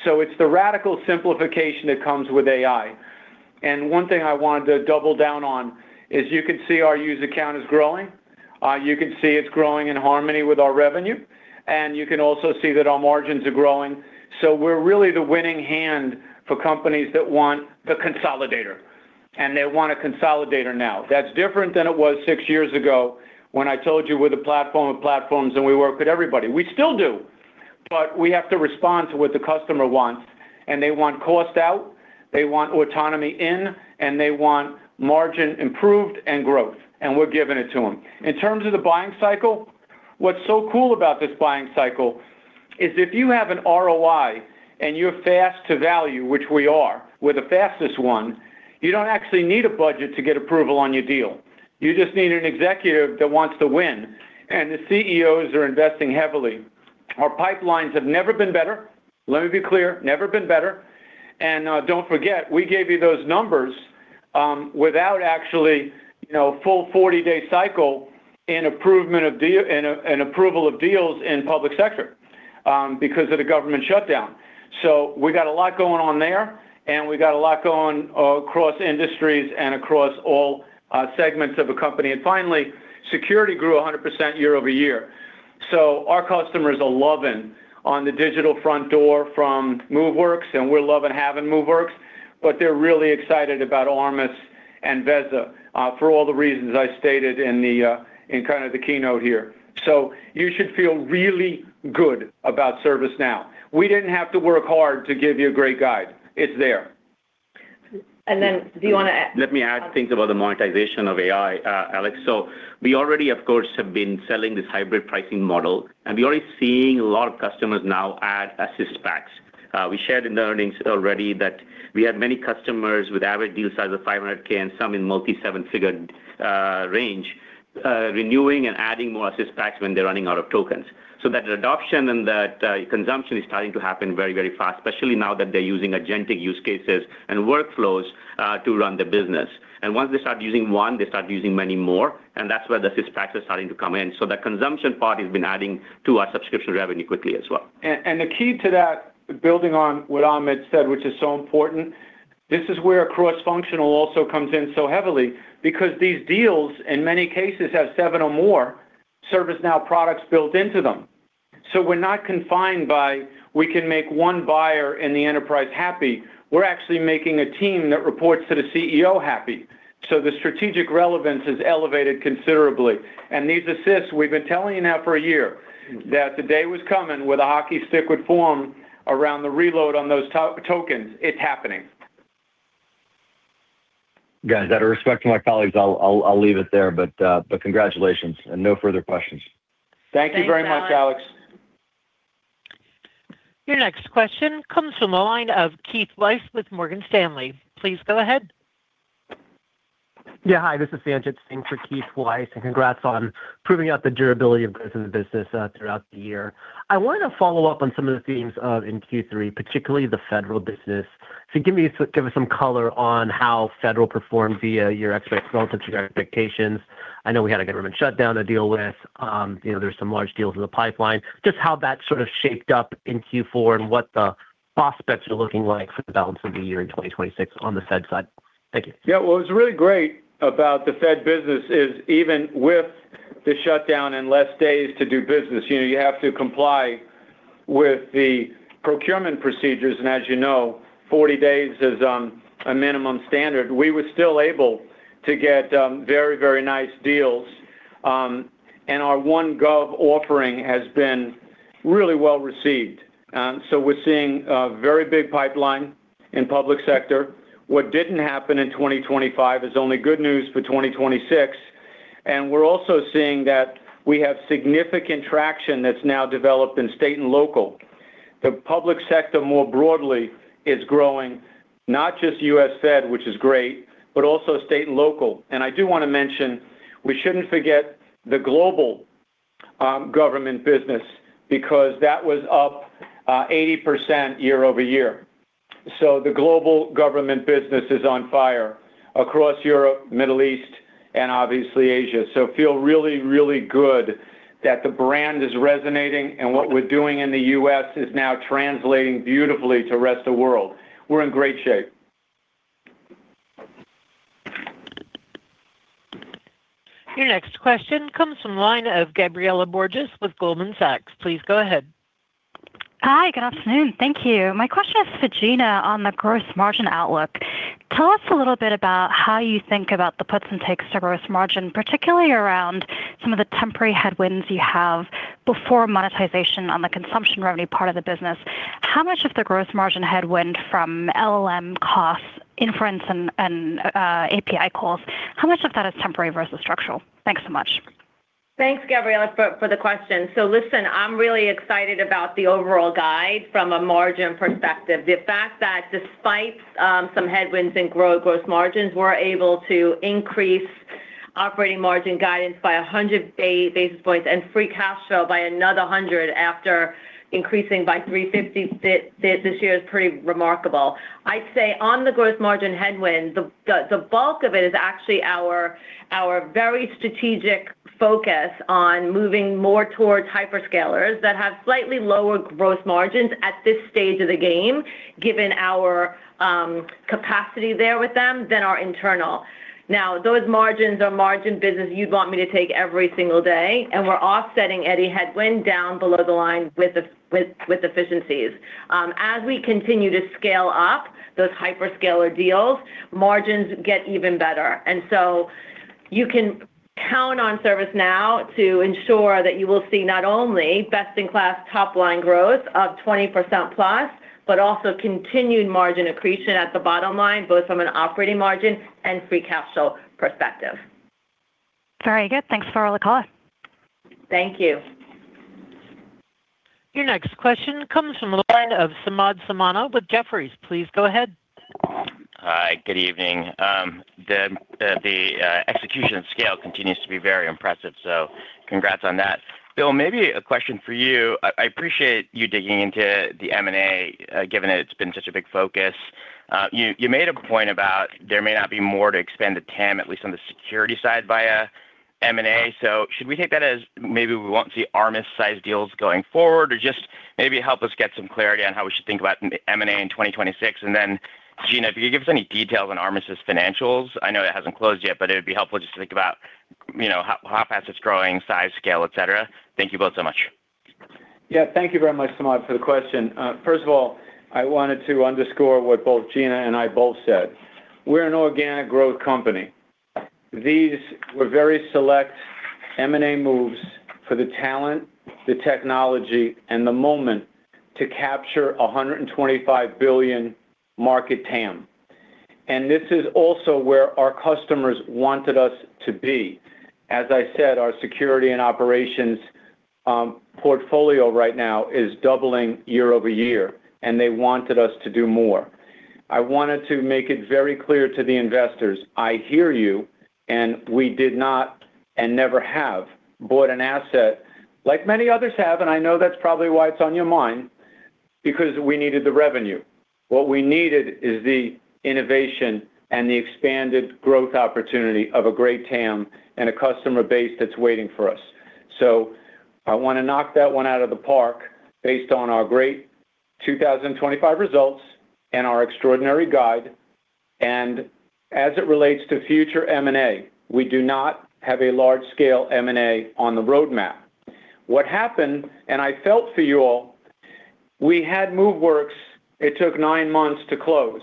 So it's the radical simplification that comes with AI. And one thing I wanted to double down on is you can see our user count is growing. You can see it's growing in harmony with our revenue, and you can also see that our margins are growing. So we're really the winning hand for companies that want the consolidator, and they want a consolidator now. That's different than it was six years ago when I told you we're the platform of platforms, and we work with everybody. We still do, but we have to respond to what the customer wants, and they want cost out, they want autonomy in, and they want margin improved and growth, and we're giving it to them. In terms of the buying cycle, what's so cool about this buying cycle is if you have an ROI and you're fast to value, which we are, we're the fastest one, you don't actually need a budget to get approval on your deal. You just need an executive that wants to win, and the CEOs are investing heavily. Our pipelines have never been better. Let me be clear, never been better. Don't forget, we gave you those numbers, without actually, you know, full 40-day cycle and approval of deal and approval of deals in public sector, because of the government shutdown. So we got a lot going on there, and we got a lot going across industries and across all, segments of a company. And finally, security grew 100% year-over-year. So our customers are loving on the digital front door from Moveworks, and we're loving having Moveworks, but they're really excited about Armis and Veza, for all the reasons I stated in the, in kind of the keynote here. So you should feel really good about ServiceNow. We didn't have to work hard to give you a great guide. It's there. And then, do you wanna a- Let me add things about the monetization of AI, Alex. So we already, of course, have been selling this hybrid pricing model, and we're already seeing a lot of customers now add Assist packs. We shared in the earnings already that we had many customers with average deal size of $500K and some in multi seven figure. range, renewing and adding more Assist packs when they're running out of tokens. So that adoption and that consumption is starting to happen very, very fast, especially now that they're using agentic use cases and workflows to run the business. And once they start using one, they start using many more, and that's where the Assist packs are starting to come in. So that consumption part has been adding to our subscription revenue quickly as well. And the key to that, building on what Amit said, which is so important, this is where cross-functional also comes in so heavily, because these deals, in many cases, have seven or more ServiceNow products built into them. So we're not confined by, we can make one buyer in the enterprise happy. We're actually making a team that reports to the CEO happy. So the strategic relevance is elevated considerably. And these assists, we've been telling you now for a year, that the day was coming with a hockey stick would form around the reload on those to- tokens. It's happening. Guys, out of respect to my colleagues, I'll leave it there, but, but congratulations and no further questions. Thank you very much, Alex. Thanks, Alex. Your next question comes from the line of Keith Weiss with Morgan Stanley. Please go ahead. Yeah, hi, this is Sanjay Singh for Keith Weiss, and congrats on proving out the durability of business throughout the year. I wanted to follow up on some of the themes in Q3, particularly the federal business. So give me, give us some color on how federal performed via your experts relative to your expectations. I know we had a government shutdown to deal with. You know, there's some large deals in the pipeline. Just how that sort of shaped up in Q4 and what the prospects are looking like for the balance of the year in 2026 on the Fed side. Thank you. Yeah. What was really great about the Fed business is even with the shutdown and less days to do business, you know, you have to comply with the procurement procedures, and as you know, 40 days is a minimum standard. We were still able to get very, very nice deals. And our One Gov offering has been really well received. So we're seeing a very big pipeline in public sector. What didn't happen in 2025 is only good news for 2026, and we're also seeing that we have significant traction that's now developed in state and local. The public sector more broadly is growing, not just US Fed, which is great, but also state and local. And I do want to mention, we shouldn't forget the global government business, because that was up 80% year-over-year. The global government business is on fire across Europe, Middle East, and obviously Asia. So feel really, really good that the brand is resonating, and what we're doing in the U.S. is now translating beautifully to the rest of the world. We're in great shape. Your next question comes from the line of Gabriela Borges with Goldman Sachs. Please go ahead. Hi, good afternoon. Thank you. My question is for Gina on the gross margin outlook. Tell us a little bit about how you think about the puts and takes to gross margin, particularly around some of the temporary headwinds you have before monetization on the consumption revenue part of the business. How much of the gross margin headwind from LLM costs, inference, and API calls, how much of that is temporary versus structural? Thanks so much. Thanks, Gabriela, for the question. So listen, I'm really excited about the overall guide from a margin perspective. The fact that despite some headwinds in gross margins, we're able to increase operating margin guidance by 100 basis points and free cash flow by another 100 after increasing by 350 this year is pretty remarkable. I'd say on the gross margin headwind, the bulk of it is actually our very strategic focus on moving more towards hyperscalers that have slightly lower gross margins at this stage of the game, given our capacity there with them than our internal. Now, those margins are margin business you'd want me to take every single day, and we're offsetting any headwind down below the line with efficiencies. As we continue to scale up those hyperscaler deals, margins get even better. And so you can count on ServiceNow to ensure that you will see not only best-in-class top-line growth of 20%+, but also continued margin accretion at the bottom line, both from an operating margin and free cash flow perspective. Very good. Thanks for all the color. Thank you. Your next question comes from the line of Samad Samana with Jefferies. Please go ahead. Hi, good evening. The execution scale continues to be very impressive, so congrats on that. Bill, maybe a question for you. I appreciate you digging into the M&A, given that it's been such a big focus. You made a point about there may not be more to expand the TAM, at least on the security side, via M&A. So should we take that as maybe we won't see Armis-sized deals going forward? Or just maybe help us get some clarity on how we should think about M&A in 2026. And then, Gina, if you could give us any details on Armis' financials. I know it hasn't closed yet, but it would be helpful just to think about, you know, how fast it's growing, size, scale, et cetera. Thank you both so much. Yeah, thank you very much, Samad, for the question. First of all, I wanted to underscore what both Gina and I both said. We're an organic growth company. These were very select M&A moves for the talent, the technology, and the moment to capture a $125 billion market TAM. And this is also where our customers wanted us to be. As I said, our security and operations portfolio right now is doubling year-over-year, and they wanted us to do more. I wanted to make it very clear to the investors, I hear you, and we did not, and never have, bought an asset like many others have, and I know that's probably why it's on your mind, because we needed the revenue. What we needed is the innovation and the expanded growth opportunity of a great TAM and a customer base that's waiting for us. So I wanna knock that one out of the park based on our great 2025 results and our extraordinary guide. And as it relates to future M&A, we do not have a large-scale M&A on the roadmap. What happened, and I felt for you all, we had Moveworks. It took nine months to close.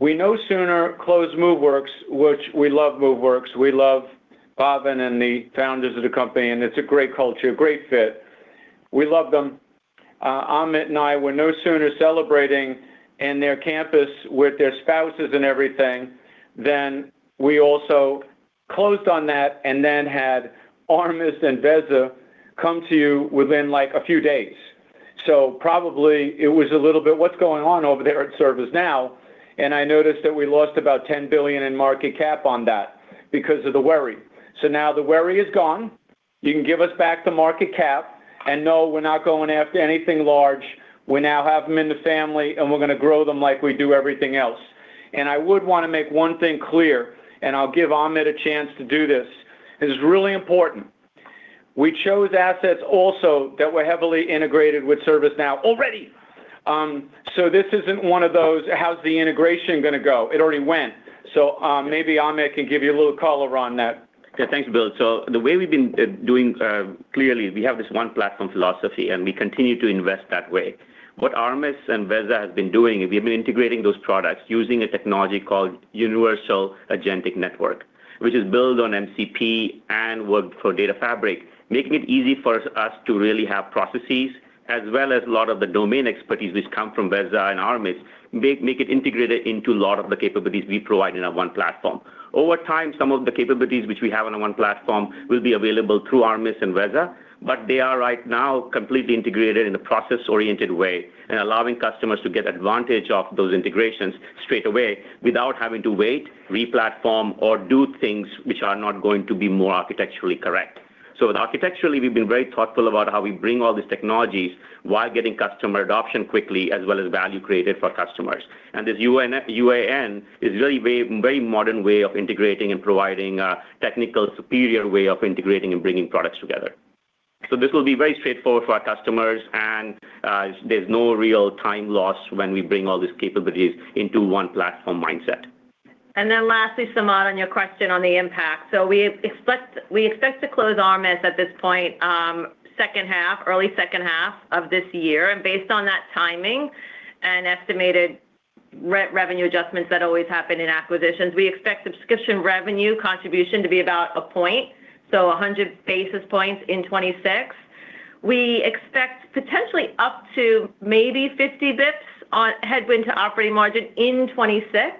We no sooner closed Moveworks, which we love Moveworks, we love Bhavin and the founders of the company, and it's a great culture, great fit. We love them. Amit and I were no sooner celebrating in their campus with their spouses and everything, then we also closed on that and then had Armis and Veza come to you within, like, a few days. So probably it was a little bit, "What's going on over there at ServiceNow?" And I noticed that we lost about $10 billion in market cap on that because of the worry. So now the worry is gone. You can give us back the market cap, and now we're not going after anything large. We now have them in the family, and we're gonna grow them like we do everything else. And I would want to make one thing clear, and I'll give Amit a chance to do this. It is really important. We chose assets also that were heavily integrated with ServiceNow already. So this isn't one of those, How's the integration gonna go? It already went. So, maybe Amit can give you a little color on that. Yeah. Thanks, Bill. So the way we've been doing clearly, we have this one platform philosophy, and we continue to invest that way. What Armis and Veza has been doing is we've been integrating those products using a technology called Universal Agentic Network, which is built on MCP and Workflow Data Fabric, making it easy for us to really have processes as well as a lot of the domain expertise which come from Veza and Armis, make it integrated into a lot of the capabilities we provide in our one platform. Over time, some of the capabilities which we have on one platform will be available through Armis and Veza, but they are right now completely integrated in a process-oriented way and allowing customers to get advantage of those integrations straight away without having to wait, re-platform, or do things which are not going to be more architecturally correct. So architecturally, we've been very thoughtful about how we bring all these technologies while getting customer adoption quickly, as well as value created for customers. And this UAN is really very, very modern way of integrating and providing a technical, superior way of integrating and bringing products together. So this will be very straightforward for our customers, and there's no real time loss when we bring all these capabilities into one platform mindset. And then lastly, Samad, on your question on the impact. So we expect to close Armis at this point, second half, early second half of this year. And based on that timing and estimated revenue adjustments that always happen in acquisitions, we expect subscription revenue contribution to be about a point, so 100 basis points in 2026. We expect potentially up to maybe 50 basis points on headwind to operating margin in 2026,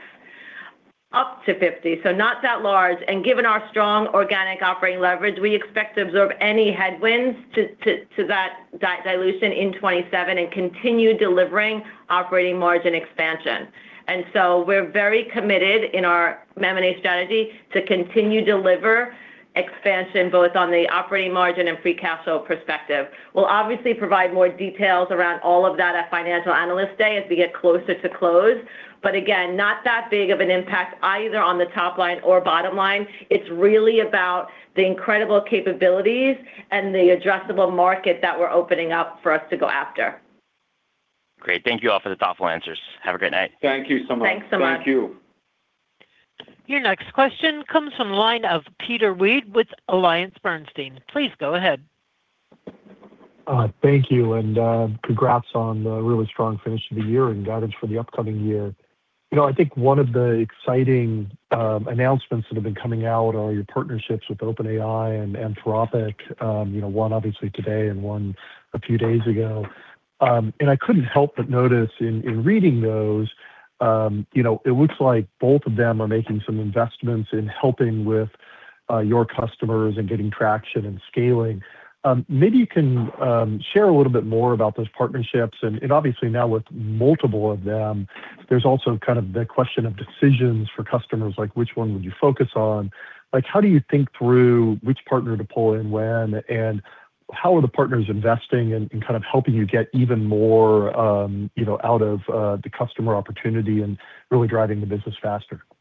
up to 50, so not that large. And given our strong organic operating leverage, we expect to absorb any headwinds to that dilution in 2027 and continue delivering operating margin expansion. And so we're very committed in our M&A strategy to continue deliver expansion, both on the operating margin and free cash flow perspective. We'll obviously provide more details around all of that at Financial Analyst Day as we get closer to close. But again, not that big of an impact either on the top line or bottom line. It's really about the incredible capabilities and the addressable market that we're opening up for us to go after. Great. Thank you all for the thoughtful answers. Have a great night. Thank you, Samad. Thanks, Samad. Thank you. Your next question comes from the line of Peter Weed with AllianceBernstein. Please go ahead. Thank you, and congrats on the really strong finish to the year and guidance for the upcoming year. You know, I think one of the exciting announcements that have been coming out are your partnerships with OpenAI and Anthropic, you know, one obviously today and one a few days ago. And I couldn't help but notice in reading those, you know, it looks like both of them are making some investments in helping with your customers and getting traction and scaling. Maybe you can share a little bit more about those partnerships. And obviously now with multiple of them, there's also kind of the question of decisions for customers, like which one would you focus on? Like, how do you think through which partner to pull in when, and how are the partners investing and, and kind of helping you get even more, you know, out of the customer opportunity and really driving the business faster? Yeah,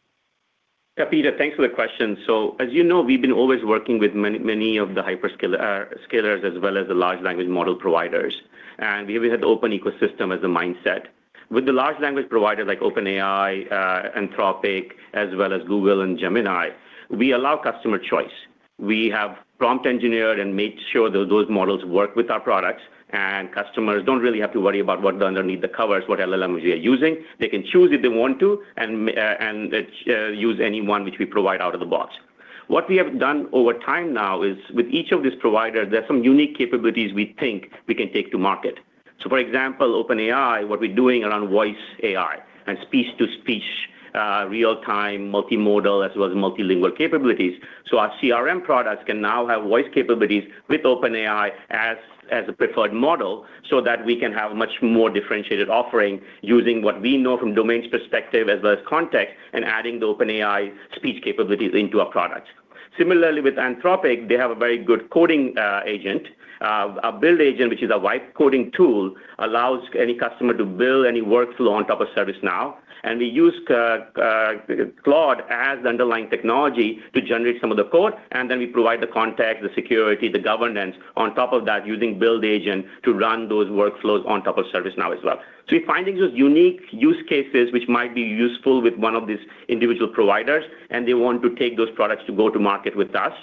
Peter, thanks for the question. So, as you know, we've been always working with many, many of the hyperscalers, as well as the large language model providers. And we have had the open ecosystem as a mindset. With the large language providers like OpenAI, Anthropic, as well as Google and Gemini, we allow customer choice. We have prompt engineered and made sure that those models work with our products, and customers don't really have to worry about what's underneath the covers, what LLM we are using. They can choose if they want to, and use any one which we provide out of the box. What we have done over time now is with each of these providers, there are some unique capabilities we think we can take to market. So, for example, OpenAI, what we're doing around voice AI and speech-to-speech, real-time, multimodal, as well as multilingual capabilities. So our CRM products can now have voice capabilities with OpenAI as, as a preferred model, so that we can have a much more differentiated offering using what we know from domains perspective as well as context, and adding the OpenAI speech capabilities into our products. Similarly, with Anthropic, they have a very good coding agent. A build agent, which is an AI coding tool, allows any customer to build any workflow on top of ServiceNow. And we use Claude as the underlying technology to generate some of the code, and then we provide the context, the security, the governance on top of that, using build agent to run those workflows on top of ServiceNow as well. So we're finding those unique use cases which might be useful with one of these individual providers, and they want to take those products to go to market with us.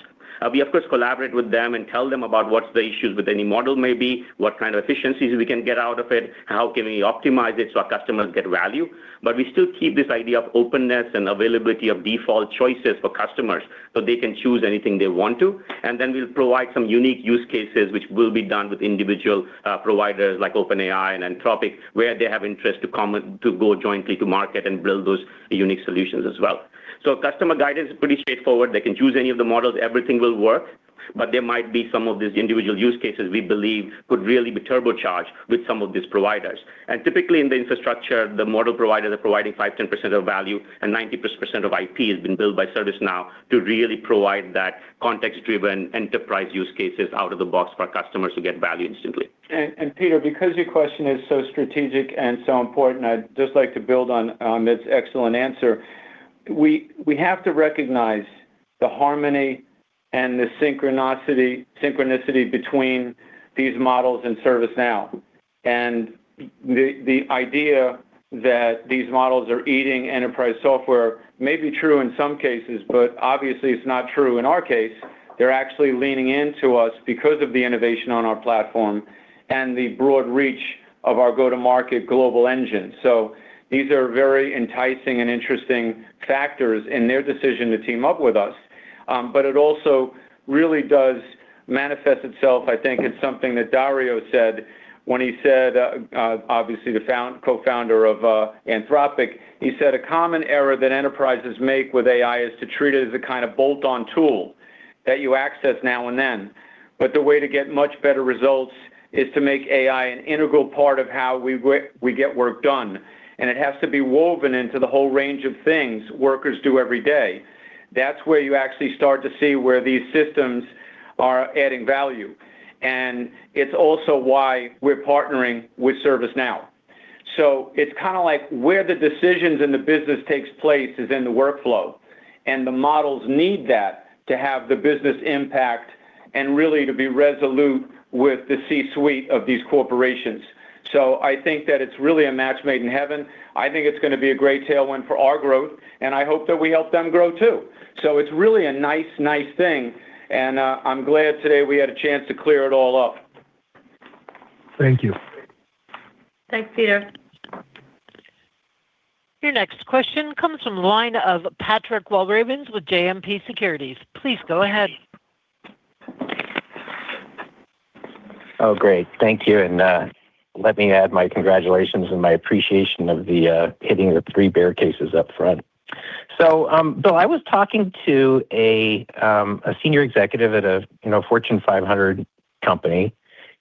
We, of course, collaborate with them and tell them about what's the issues with any model may be, what kind of efficiencies we can get out of it, how can we optimize it so our customers get value. But we still keep this idea of openness and availability of default choices for customers, so they can choose anything they want to. And then we'll provide some unique use cases, which will be done with individual providers like OpenAI and Anthropic, where they have interest to go jointly to market and build those unique solutions as well. So customer guidance is pretty straightforward. They can choose any of the models, everything will work, but there might be some of these individual use cases we believe could really be turbocharged with some of these providers. And typically in the infrastructure, the model providers are providing 5%-10% of value, and 90% of IP has been built by ServiceNow to really provide that context-driven enterprise use cases out of the box for our customers to get value instantly. and Peter, because your question is so strategic and so important, I'd just like to build on, Amit's excellent answer. We, we have to recognize the harmony and the synchronicity, synchronicity between these models and ServiceNow. And the, the idea that these models are eating enterprise software may be true in some cases, but obviously, it's not true in our case. They're actually leaning into us because of the innovation on our platform... and the broad reach of our go-to-market global engine. So these are very enticing and interesting factors in their decision to team up with us. But it also really does manifest itself, I think, in something that Dario said when he said, obviously, the co-founder of, Anthropic. He said, "A common error that enterprises make with AI is to treat it as a kind of bolt-on tool that you access now and then. But the way to get much better results is to make AI an integral part of how we work, we get work done, and it has to be woven into the whole range of things workers do every day." That's where you actually start to see where these systems are adding value, and it's also why we're partnering with ServiceNow. So it's kind of like where the decisions in the business takes place is in the workflow, and the models need that to have the business impact and really to be resolute with the C-suite of these corporations. So I think that it's really a match made in heaven. I think it's gonna be a great tailwind for our growth, and I hope that we help them grow, too. So it's really a nice, nice thing, and, I'm glad today we had a chance to clear it all up. Thank you. Thanks, Peter. Your next question comes from the line of Patrick Walravens with JMP Securities. Please go ahead. Oh, great. Thank you, and let me add my congratulations and my appreciation of the hitting the three bear cases up front. So, Bill, I was talking to a senior executive at a, you know, Fortune 500 company,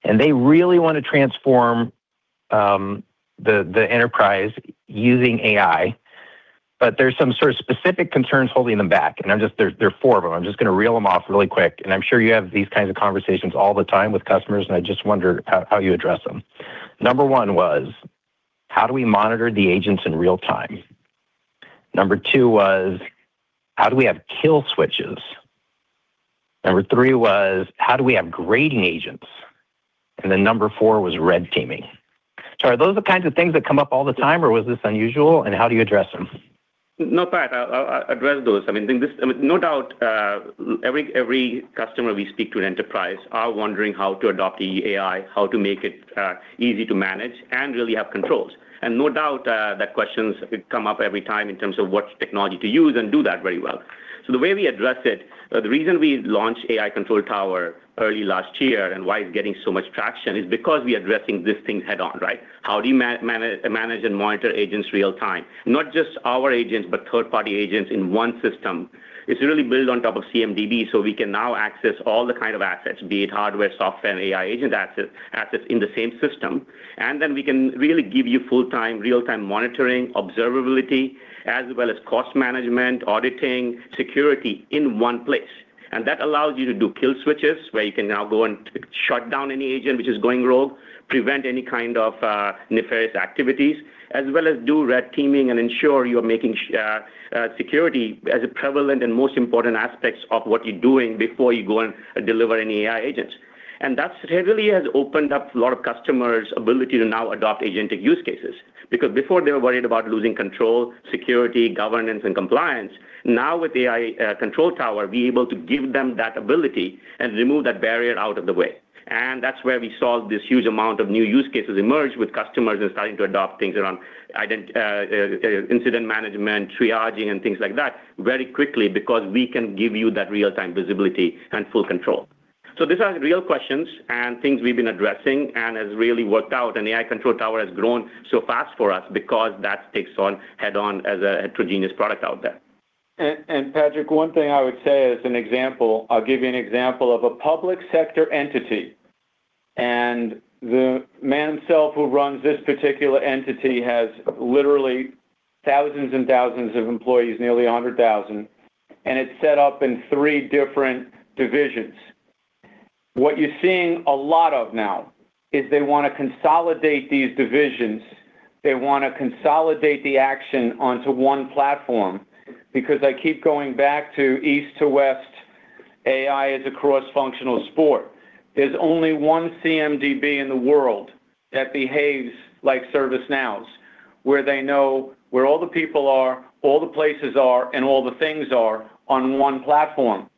and they really want to transform the enterprise using AI. But there's some sort of specific concerns holding them back, and I'm just—there, there are four of them. I'm just gonna reel them off really quick, and I'm sure you have these kinds of conversations all the time with customers, and I just wonder how you address them. Number one was: How do we monitor the agents in real time? Number two was: How do we have kill switches? Number three was: How do we have grading agents? And then number four was red teaming. Are those the kinds of things that come up all the time, or was this unusual, and how do you address them? No, Pat, I'll address those. I mean, no doubt, every customer we speak to in enterprise are wondering how to adopt the AI, how to make it easy to manage and really have controls. And no doubt, those questions come up every time in terms of what technology to use and do that very well. So the way we address it, the reason we launched AI Control Tower early last year and why it's getting so much traction, is because we are addressing these things head-on, right? How do you manage and monitor agents real time? Not just our agents, but third-party agents in one system. It's really built on top of CMDB, so we can now access all the kind of assets, be it hardware, software, and AI agent assets in the same system. And then we can really give you full-time, real-time monitoring, observability, as well as cost management, auditing, security in one place. And that allows you to do kill switches, where you can now go and shut down any agent which is going rogue, prevent any kind of, nefarious activities, as well as do red teaming and ensure you're making security as a prevalent and most important aspects of what you're doing before you go and deliver any AI agents. And that's heavily has opened up a lot of customers' ability to now adopt agentic use cases. Because before they were worried about losing control, security, governance, and compliance. Now, with AI Control Tower, we're able to give them that ability and remove that barrier out of the way, and that's where we saw this huge amount of new use cases emerge with customers and starting to adopt things around incident management, triaging, and things like that very quickly because we can give you that real-time visibility and full control. So these are real questions and things we've been addressing and has really worked out, and AI Control Tower has grown so fast for us because that takes on, head-on, as a heterogeneous product out there. Patrick, one thing I would say as an example, I'll give you an example of a public sector entity, and the man himself who runs this particular entity has literally thousands and thousands of employees, nearly 100,000, and it's set up in three different divisions. What you're seeing a lot of now is they wanna consolidate these divisions. They wanna consolidate the action onto one platform because I keep going back to east to west, AI is a cross-functional sport. There's only one CMDB in the world that behaves like ServiceNow's, where they know where all the people are, all the places are, and all the things are on one platform.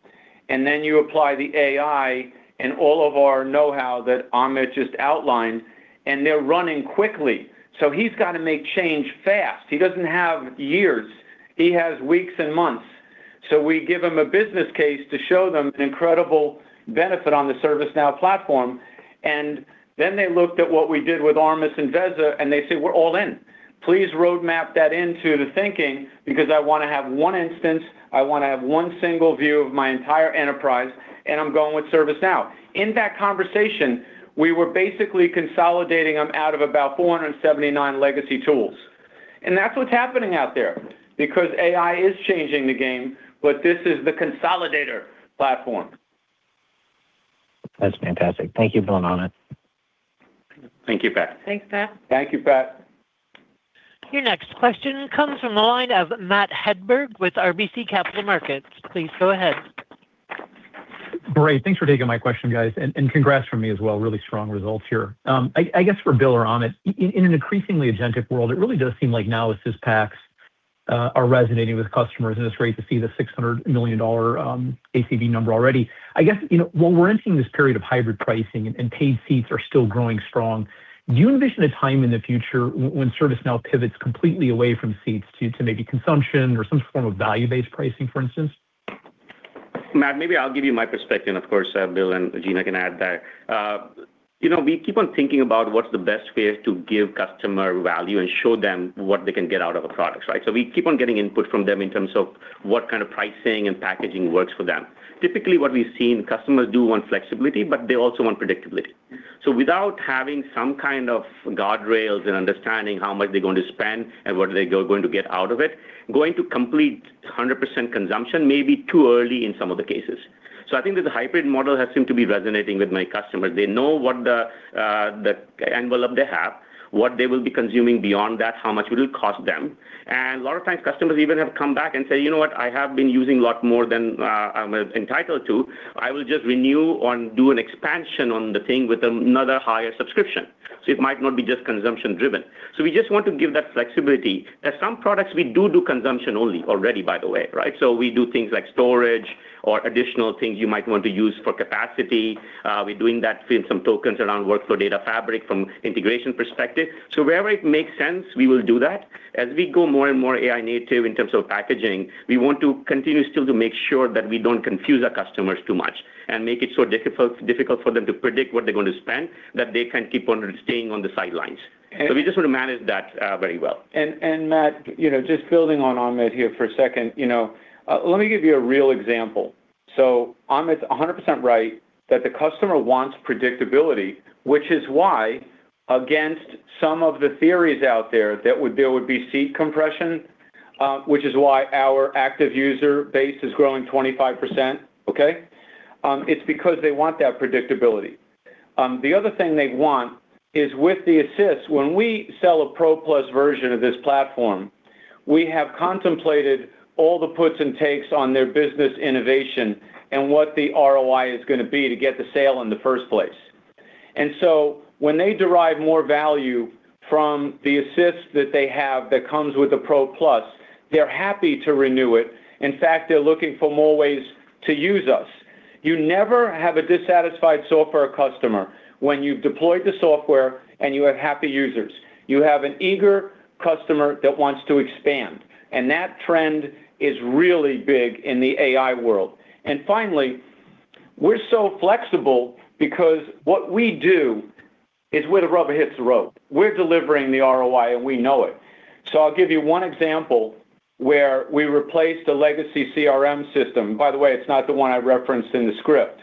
And then you apply the AI and all of our know-how that Amit just outlined, and they're running quickly. So he's got to make change fast. He doesn't have years; he has weeks and months. So we give him a business case to show them the incredible benefit on the ServiceNow platform, and then they looked at what we did with Armis and Veza, and they say, "We're all in. Please roadmap that into the thinking, because I wanna have one instance, I wanna have one single view of my entire enterprise, and I'm going with ServiceNow." In that conversation, we were basically consolidating them out of about 479 legacy tools, and that's what's happening out there because AI is changing the game, but this is the consolidator platform. That's fantastic. Thank you, Bill and Amit. Thank you, Pat. Thanks, Pat. Thank you, Pat. Your next question comes from the line of Matt Hedberg with RBC Capital Markets. Please go ahead. Great. Thanks for taking my question, guys, and congrats from me as well. Really strong results here. I guess for Bill or Amit, in an increasingly agentic world, it really does seem like Now Assist are resonating with customers, and it's great to see the $600 million ACV number already. I guess, you know, while we're entering this period of hybrid pricing and paid seats are still growing strong, do you envision a time in the future when ServiceNow pivots completely away from seats to maybe consumption or some form of value-based pricing, for instance? Matt, maybe I'll give you my perspective. Of course, Bill and Gina can add that. You know, we keep on thinking about what's the best way to give customer value and show them what they can get out of the products, right? So we keep on getting input from them in terms of what kind of pricing and packaging works for them. Typically, what we've seen, customers do want flexibility, but they also want predictability. So without having some kind of guardrails and understanding how much they're going to spend and what they're going to get out of it, going to complete 100% consumption may be too early in some of the cases. So I think that the hybrid model has seemed to be resonating with my customers. They know what the, the envelope they have, what they will be consuming beyond that, how much will it cost them. And a lot of times, customers even have come back and said, "You know what? I have been using a lot more than, I'm entitled to. I will just renew or do an expansion on the thing with another higher subscription." So it might not be just consumption driven. So we just want to give that flexibility. There's some products we do do consumption only already, by the way, right? So we do things like storage or additional things you might want to use for capacity. We're doing that with some tokens around Workflow Data Fabric from integration perspective. So wherever it makes sense, we will do that. As we go more and more AI native in terms of packaging, we want to continue still to make sure that we don't confuse our customers too much and make it so difficult, difficult for them to predict what they're going to spend, that they can keep on staying on the sidelines. So we just want to manage that, very well. And, Matt, you know, just building on Amit here for a second, you know, let me give you a real example. So Amit's 100% right, that the customer wants predictability, which is why, against some of the theories out there, that would... There would be seat compression, which is why our active user base is growing 25%, okay? It's because they want that predictability. The other thing they want is with the assist, when we sell a Pro Plus version of this platform, we have contemplated all the puts and takes on their business innovation and what the ROI is gonna be to get the sale in the first place. And so when they derive more value from the assist that they have that comes with the Pro Plus, they're happy to renew it. In fact, they're looking for more ways to use us. You never have a dissatisfied software customer when you've deployed the software and you have happy users. You have an eager customer that wants to expand, and that trend is really big in the AI world. Finally, we're so flexible because what we do is where the rubber hits the road. We're delivering the ROI, and we know it. So I'll give you one example where we replaced a legacy CRM system. By the way, it's not the one I referenced in the script.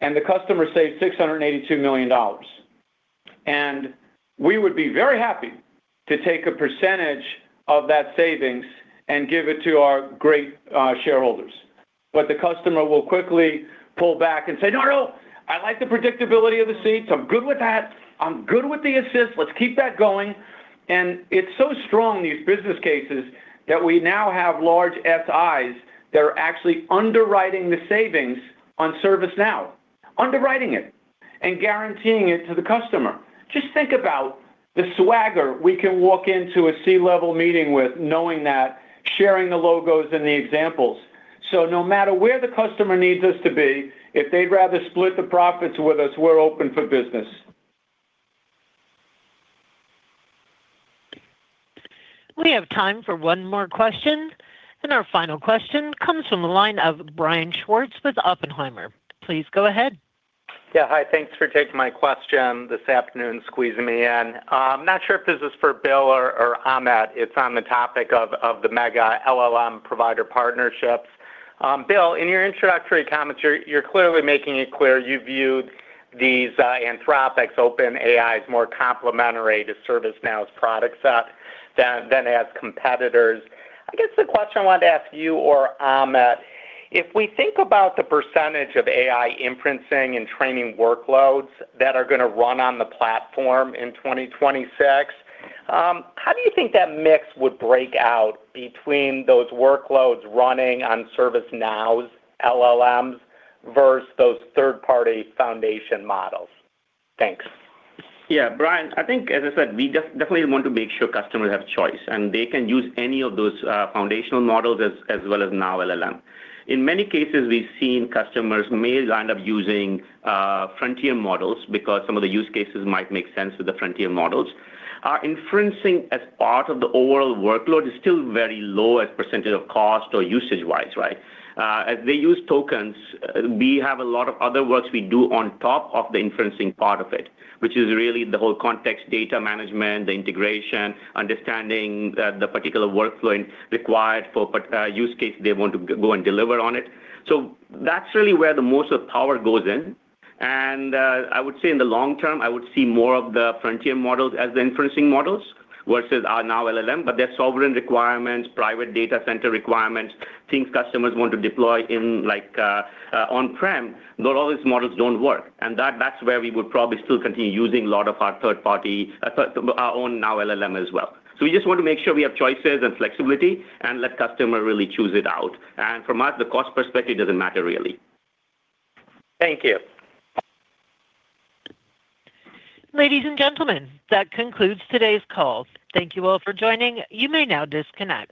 The customer saved $682 million, and we would be very happy to take a percentage of that savings and give it to our great shareholders. But the customer will quickly pull back and say, "No, no! I like the predictability of the seats. I'm good with that. I'm good with the assist. Let's keep that going." It's so strong, these business cases, that we now have large FIs that are actually underwriting the savings on ServiceNow, underwriting it and guaranteeing it to the customer. Just think about the swagger we can walk into a C-level meeting with knowing that, sharing the logos and the examples. No matter where the customer needs us to be, if they'd rather split the profits with us, we're open for business. We have time for one more question, and our final question comes from the line of Brian Schwartz with Oppenheimer. Please go ahead. Yeah, hi. Thanks for taking my question this afternoon, squeezing me in. I'm not sure if this is for Bill or, or Amit. It's on the topic of, of the mega LLM provider partnerships. Bill, in your introductory comments, you're, you're clearly making it clear you viewed these, Anthropic's, OpenAI as more complementary to ServiceNow's product set than, than as competitors. I guess the question I wanted to ask you or Amit: If we think about the percentage of AI imprinting and training workloads that are gonna run on the platform in 2026, how do you think that mix would break out between those workloads running on ServiceNow's LLMs versus those third-party foundation models? Thanks. Yeah, Brian, I think, as I said, we definitely want to make sure customers have choice, and they can use any of those foundational models as well as Now LLM. In many cases, we've seen customers may end up using frontier models because some of the use cases might make sense with the frontier models. Our inferencing as part of the overall workload is still very low as percentage of cost or usage-wise, right? As they use tokens, we have a lot of other works we do on top of the inferencing part of it, which is really the whole context, data management, the integration, understanding the particular workflow required for particular use case they want to go and deliver on it. So that's really where the most of power goes in, and, I would say in the long term, I would see more of the frontier models as the inferencing models versus our Now LLM, but their sovereign requirements, private data center requirements, things customers want to deploy in like, on-prem, not all these models don't work. And that, that's where we would probably still continue using a lot of our third party, our own Now LLM as well. So we just want to make sure we have choices and flexibility and let customer really choose it out. And from us, the cost perspective doesn't matter, really. Thank you. Ladies and gentlemen, that concludes today's call. Thank you all for joining. You may now disconnect.